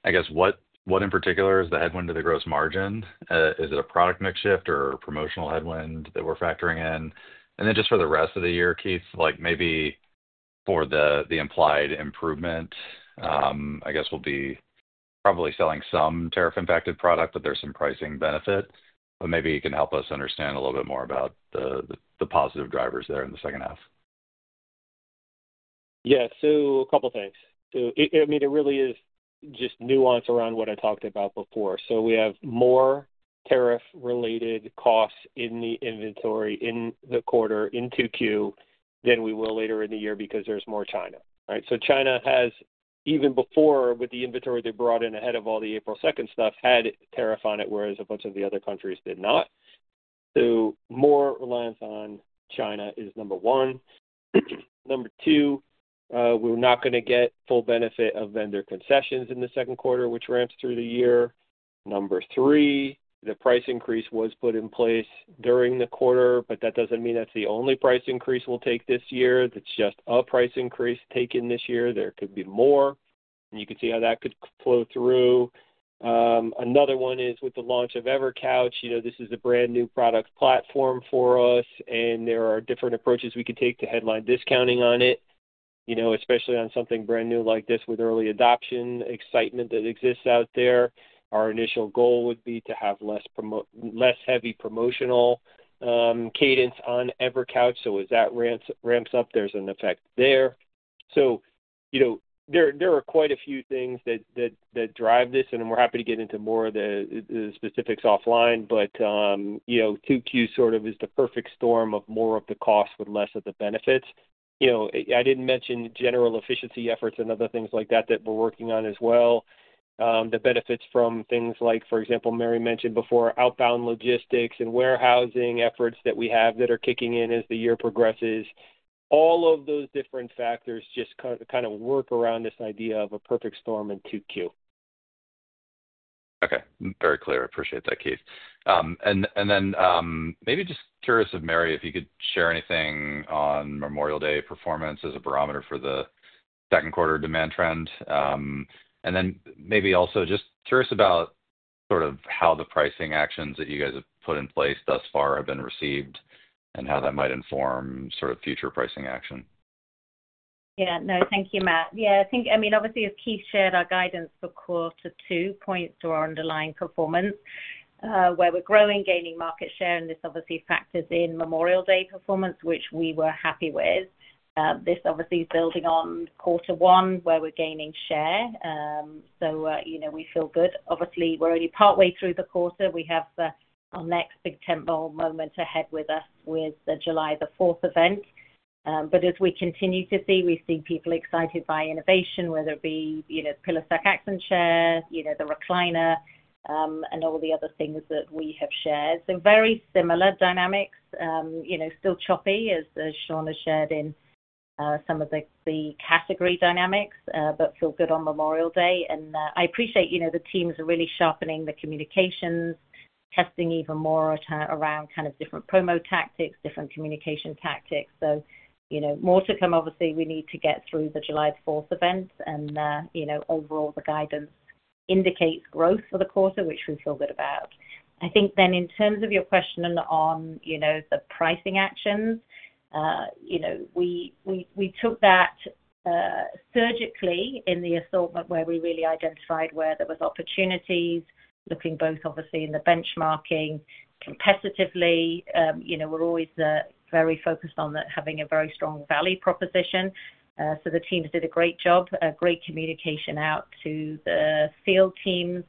I guess what in particular is the headwind to the gross margin? Is it a product mix shift or promotional headwind that we're factoring in? And then just for the rest of the year, Keith, maybe for the implied improvement, I guess we'll be probably selling some tariff-impacted product, but there's some pricing benefit. Maybe you can help us understand a little bit more about the positive drivers there in the second half. Yeah. A couple of things. I mean, it really is just nuance around what I talked about before. We have more tariff-related costs in the inventory in the quarter into queue than we will later in the year because there is more China, right? China has, even before with the inventory they brought in ahead of all the April 2nd stuff, had tariff on it, whereas a bunch of the other countries did not. More reliance on China is number one. Number two, we are not going to get full benefit of vendor concessions in the second quarter, which ramps through the year. Number three, the price increase was put in place during the quarter, but that does not mean that is the only price increase we will take this year. It's just a price increase taken this year. There could be more. You can see how that could flow through. Another one is with the launch of EverCouch. This is a brand new product platform for us, and there are different approaches we could take to headline discounting on it, especially on something brand new like this with early adoption excitement that exists out there. Our initial goal would be to have less heavy promotional cadence on EverCouch. As that ramps up, there's an effect there. There are quite a few things that drive this, and we're happy to get into more of the specifics offline. 2Q sort of is the perfect storm of more of the cost with less of the benefits. I didn't mention general efficiency efforts and other things like that that we're working on as well. The benefits from things like, for example, Mary mentioned before, outbound logistics and warehousing efforts that we have that are kicking in as the year progresses. All of those different factors just kind of work around this idea of a perfect storm in 2Q. Okay. Very clear. Appreciate that, Keith. And then maybe just curious of Mary if you could share anything on Memorial Day performance as a barometer for the second quarter demand trend. And then maybe also just curious about sort of how the pricing actions that you guys have put in place thus far have been received and how that might inform sort of future pricing action. Yeah. No, thank you, Matt. Yeah. I mean, obviously, as Keith shared, our guidance for quarter two points to our underlying performance, where we're growing, gaining market share. This obviously factors in Memorial Day performance, which we were happy with. This obviously is building on quarter one, where we're gaining share. We feel good. Obviously, we're only partway through the quarter. We have our next big temporal moment ahead with us with the July the 4th event. As we continue to see, we've seen people excited by innovation, whether it be PillowSac Accent Chair, the Recliner, and all the other things that we have shared. Very similar dynamics, still choppy, as Shawn has shared in some of the category dynamics, but feel good on Memorial Day. I appreciate the teams are really sharpening the communications, testing even more around kind of different promo tactics, different communication tactics. More to come, obviously. We need to get through the July the 4th event. Overall, the guidance indicates growth for the quarter, which we feel good about. I think then in terms of your question on the pricing actions, we took that surgically in the assortment where we really identified where there were opportunities, looking both obviously in the benchmarking competitively. We are always very focused on having a very strong value proposition. The teams did a great job, great communication out to the field teams.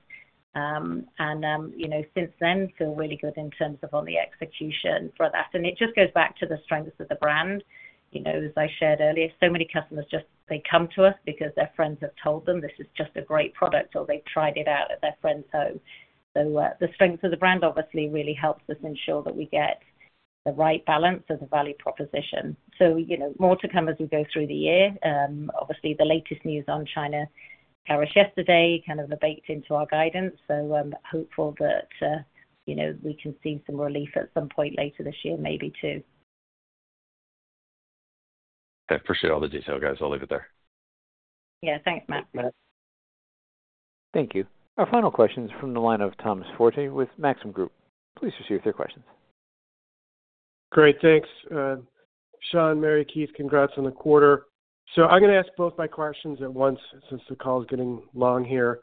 Since then, feel really good in terms of on the execution for that. It just goes back to the strengths of the brand. As I shared earlier, so many customers just come to us because their friends have told them this is just a great product or they have tried it out at their friend's home. The strength of the brand obviously really helps us ensure that we get the right balance of the value proposition. More to come as we go through the year. Obviously, the latest news on China flourished yesterday, kind of baked into our guidance. Hopeful that we can see some relief at some point later this year maybe too. I appreciate all the detail, guys. I'll leave it there. Yeah. Thanks, Matt. Thank you. Our final question is from the line of Thomas Forte with Maxim Group. Please proceed with your questions. Great. Thanks. Shawn, Mary, Keith, congrats on the quarter. I'm going to ask both my questions at once since the call is getting long here.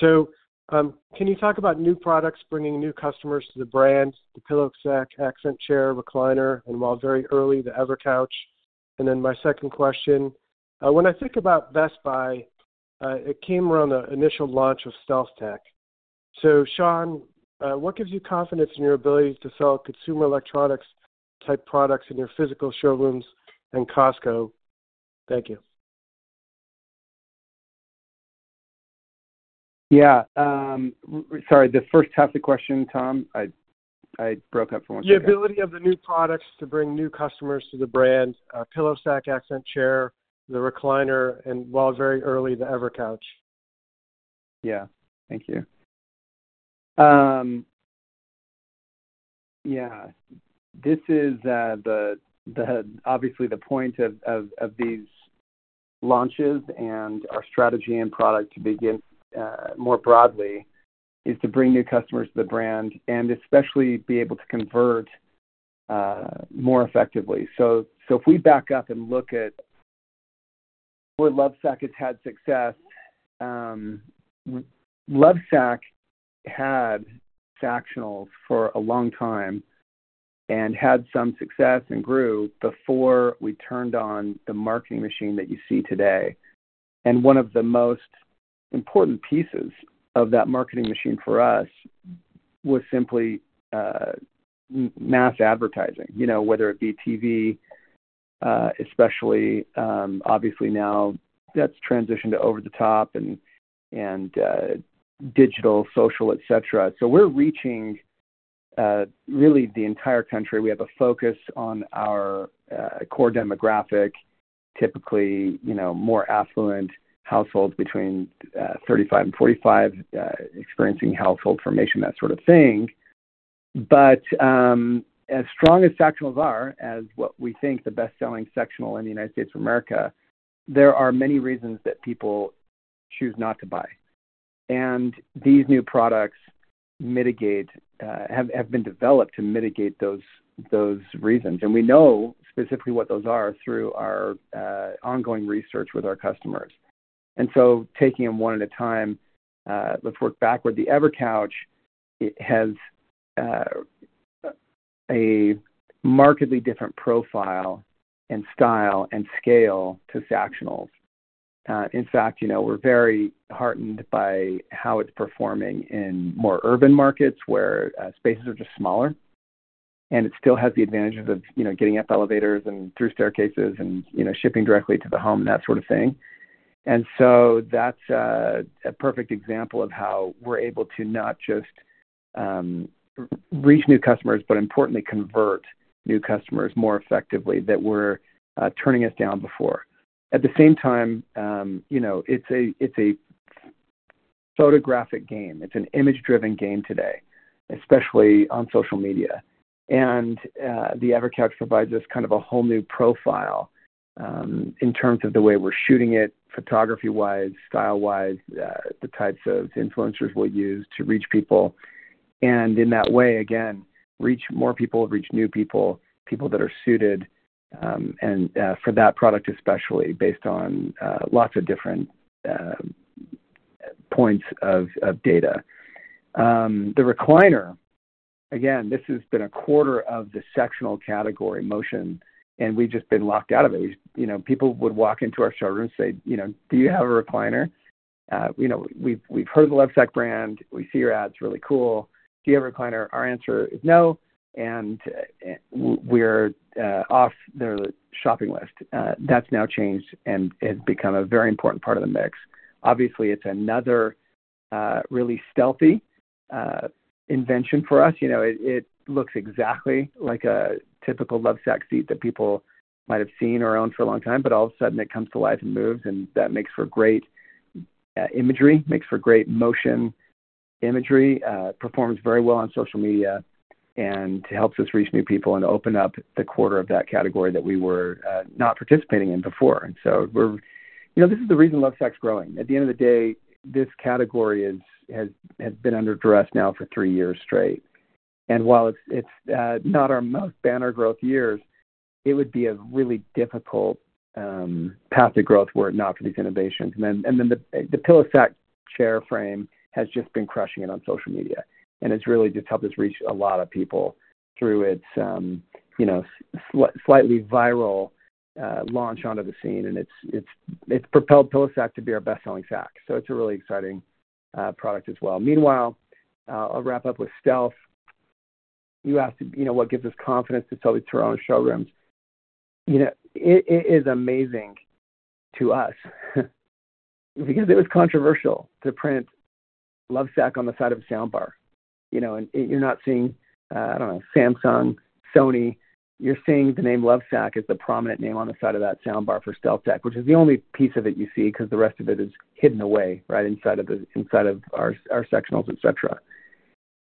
Can you talk about new products bringing new customers to the brand, the PillowSac Accent Chair, Recliner, and while very early, the EverCouch? And then my second question, when I think about Best Buy, it came around the initial launch of StealthTech. So Shawn, what gives you confidence in your ability to sell consumer electronics-type products in your physical showrooms and Costco? Thank you. Yeah. Sorry, the first half of the question, Tom, I broke up for once. The ability of the new products to bring new customers to the brand, PillowSac Accent Chair, the Recliner, and while very early, the EverCouch. Yeah. Thank you. Yeah. This is obviously the point of these launches and our strategy and product to begin more broadly is to bring new customers to the brand and especially be able to convert more effectively. If we back up and look at where Lovesac has had success, Lovesac had Sactionals for a long time and had some success and grew before we turned on the marketing machine that you see today. One of the most important pieces of that marketing machine for us was simply mass advertising, whether it be TV, especially obviously now that's transitioned to over-the-top and digital, social, etc. We're reaching really the entire country. We have a focus on our core demographic, typically more affluent households between 35 and 45 experiencing household formation, that sort of thing. As strong as Sactionals are, as what we think the best-selling sectional in the United States of America, there are many reasons that people choose not to buy. These new products have been developed to mitigate those reasons. We know specifically what those are through our ongoing research with our customers. Taking them one at a time, let's work backward. The EverCouch has a markedly different profile and style and scale to Sactionals. In fact, we're very heartened by how it's performing in more urban markets where spaces are just smaller. It still has the advantages of getting up elevators and through staircases and shipping directly to the home and that sort of thing. That's a perfect example of how we're able to not just reach new customers, but importantly, convert new customers more effectively that were turning us down before. At the same time, it's a photographic game. It's an image-driven game today, especially on social media. The EverCouch provides us kind of a whole new profile in terms of the way we're shooting it, photography-wise, style-wise, the types of influencers we'll use to reach people. In that way, again, reach more people, reach new people, people that are suited for that product especially based on lots of different points of data. The Recliner, again, this has been a quarter of the sectional category motion, and we've just been locked out of it. People would walk into our showroom and say, "Do you have a Recliner? We've heard of the Lovesac brand. We see your ad. It's really cool. Do you have a Recliner?" Our answer is no, and we're off their shopping list. That's now changed and has become a very important part of the mix. Obviously, it's another really stealthy invention for us. It looks exactly like a typical Lovesac seat that people might have seen or owned for a long time, but all of a sudden, it comes to life and moves, and that makes for great imagery, makes for great motion imagery, performs very well on social media, and helps us reach new people and open up the quarter of that category that we were not participating in before. This is the reason Lovesac's growing. At the end of the day, this category has been under duress now for three years straight. While it's not our most banner growth years, it would be a really difficult path to growth were it not for these innovations. The PillowSac Chair frame has just been crushing it on social media. It's really just helped us reach a lot of people through its slightly viral launch onto the scene. It's propelled PillowSac to be our best-selling sack. It's a really exciting product as well. Meanwhile, I'll wrap up with Stealth. You asked what gives us confidence to sell these to our own showrooms. It is amazing to us because it was controversial to print Lovesac on the side of a soundbar. You're not seeing, I don't know, Samsung, Sony. You're seeing the name Lovesac as the prominent name on the side of that soundbar for Stealth Tech, which is the only piece of it you see because the rest of it is hidden away right inside of our sectionals, etc.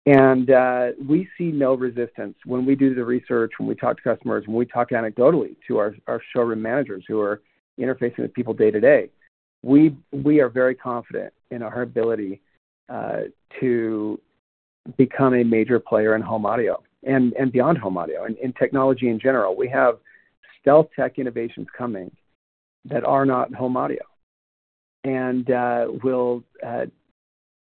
We see no resistance when we do the research, when we talk to customers, when we talk anecdotally to our showroom managers who are interfacing with people day to day. We are very confident in our ability to become a major player in home audio and beyond home audio. In technology in general, we have Stealth Tech innovations coming that are not home audio. We will,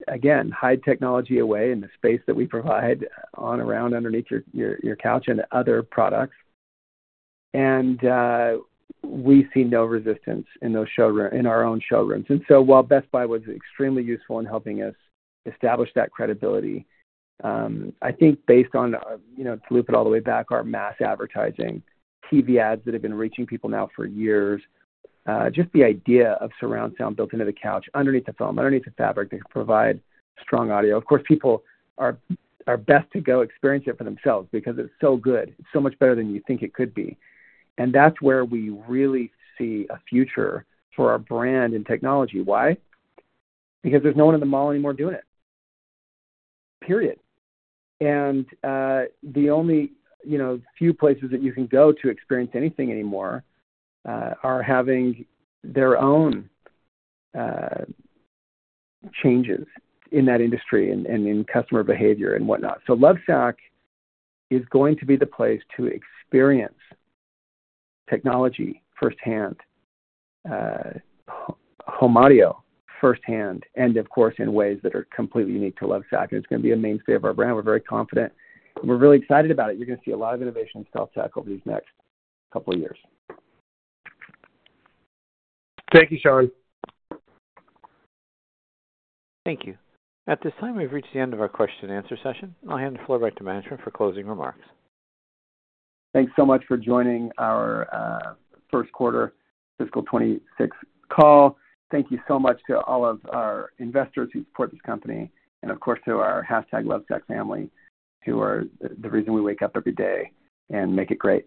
again, hide technology away in the space that we provide on, around, underneath your couch and other products. We see no resistance in our own showrooms. While Best Buy was extremely useful in helping us establish that credibility, I think based on, to loop it all the way back, our mass advertising, TV ads that have been reaching people now for years, just the idea of surround sound built into the couch underneath the foam, underneath the fabric that can provide strong audio. Of course, people are best to go experience it for themselves because it's so good. It's so much better than you think it could be. That is where we really see a future for our brand and technology. Why? Because there is no one in the mall anymore doing it. Period. The only few places that you can go to experience anything anymore are having their own changes in that industry and in customer behavior and whatnot. Lovesac is going to be the place to experience technology firsthand, home audio firsthand, and of course, in ways that are completely unique to Lovesac. It is going to be a mainstay of our brand. We are very confident. We are really excited about it. You are going to see a lot of innovation in Stealth Tech over these next couple of years. Thank you, Shawn. Thank you. At this time, we have reached the end of our question-and-answer session. I will hand the floor back to management for closing remarks. Thanks so much for joining our first quarter fiscal 2026 call. Thank you so much to all of our investors who support this company and, of course, to our #LovesacFamily, who are the reason we wake up every day and make it great.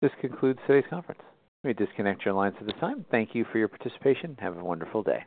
This concludes today's conference. We disconnect your lines at this time. Thank you for your participation. Have a wonderful day.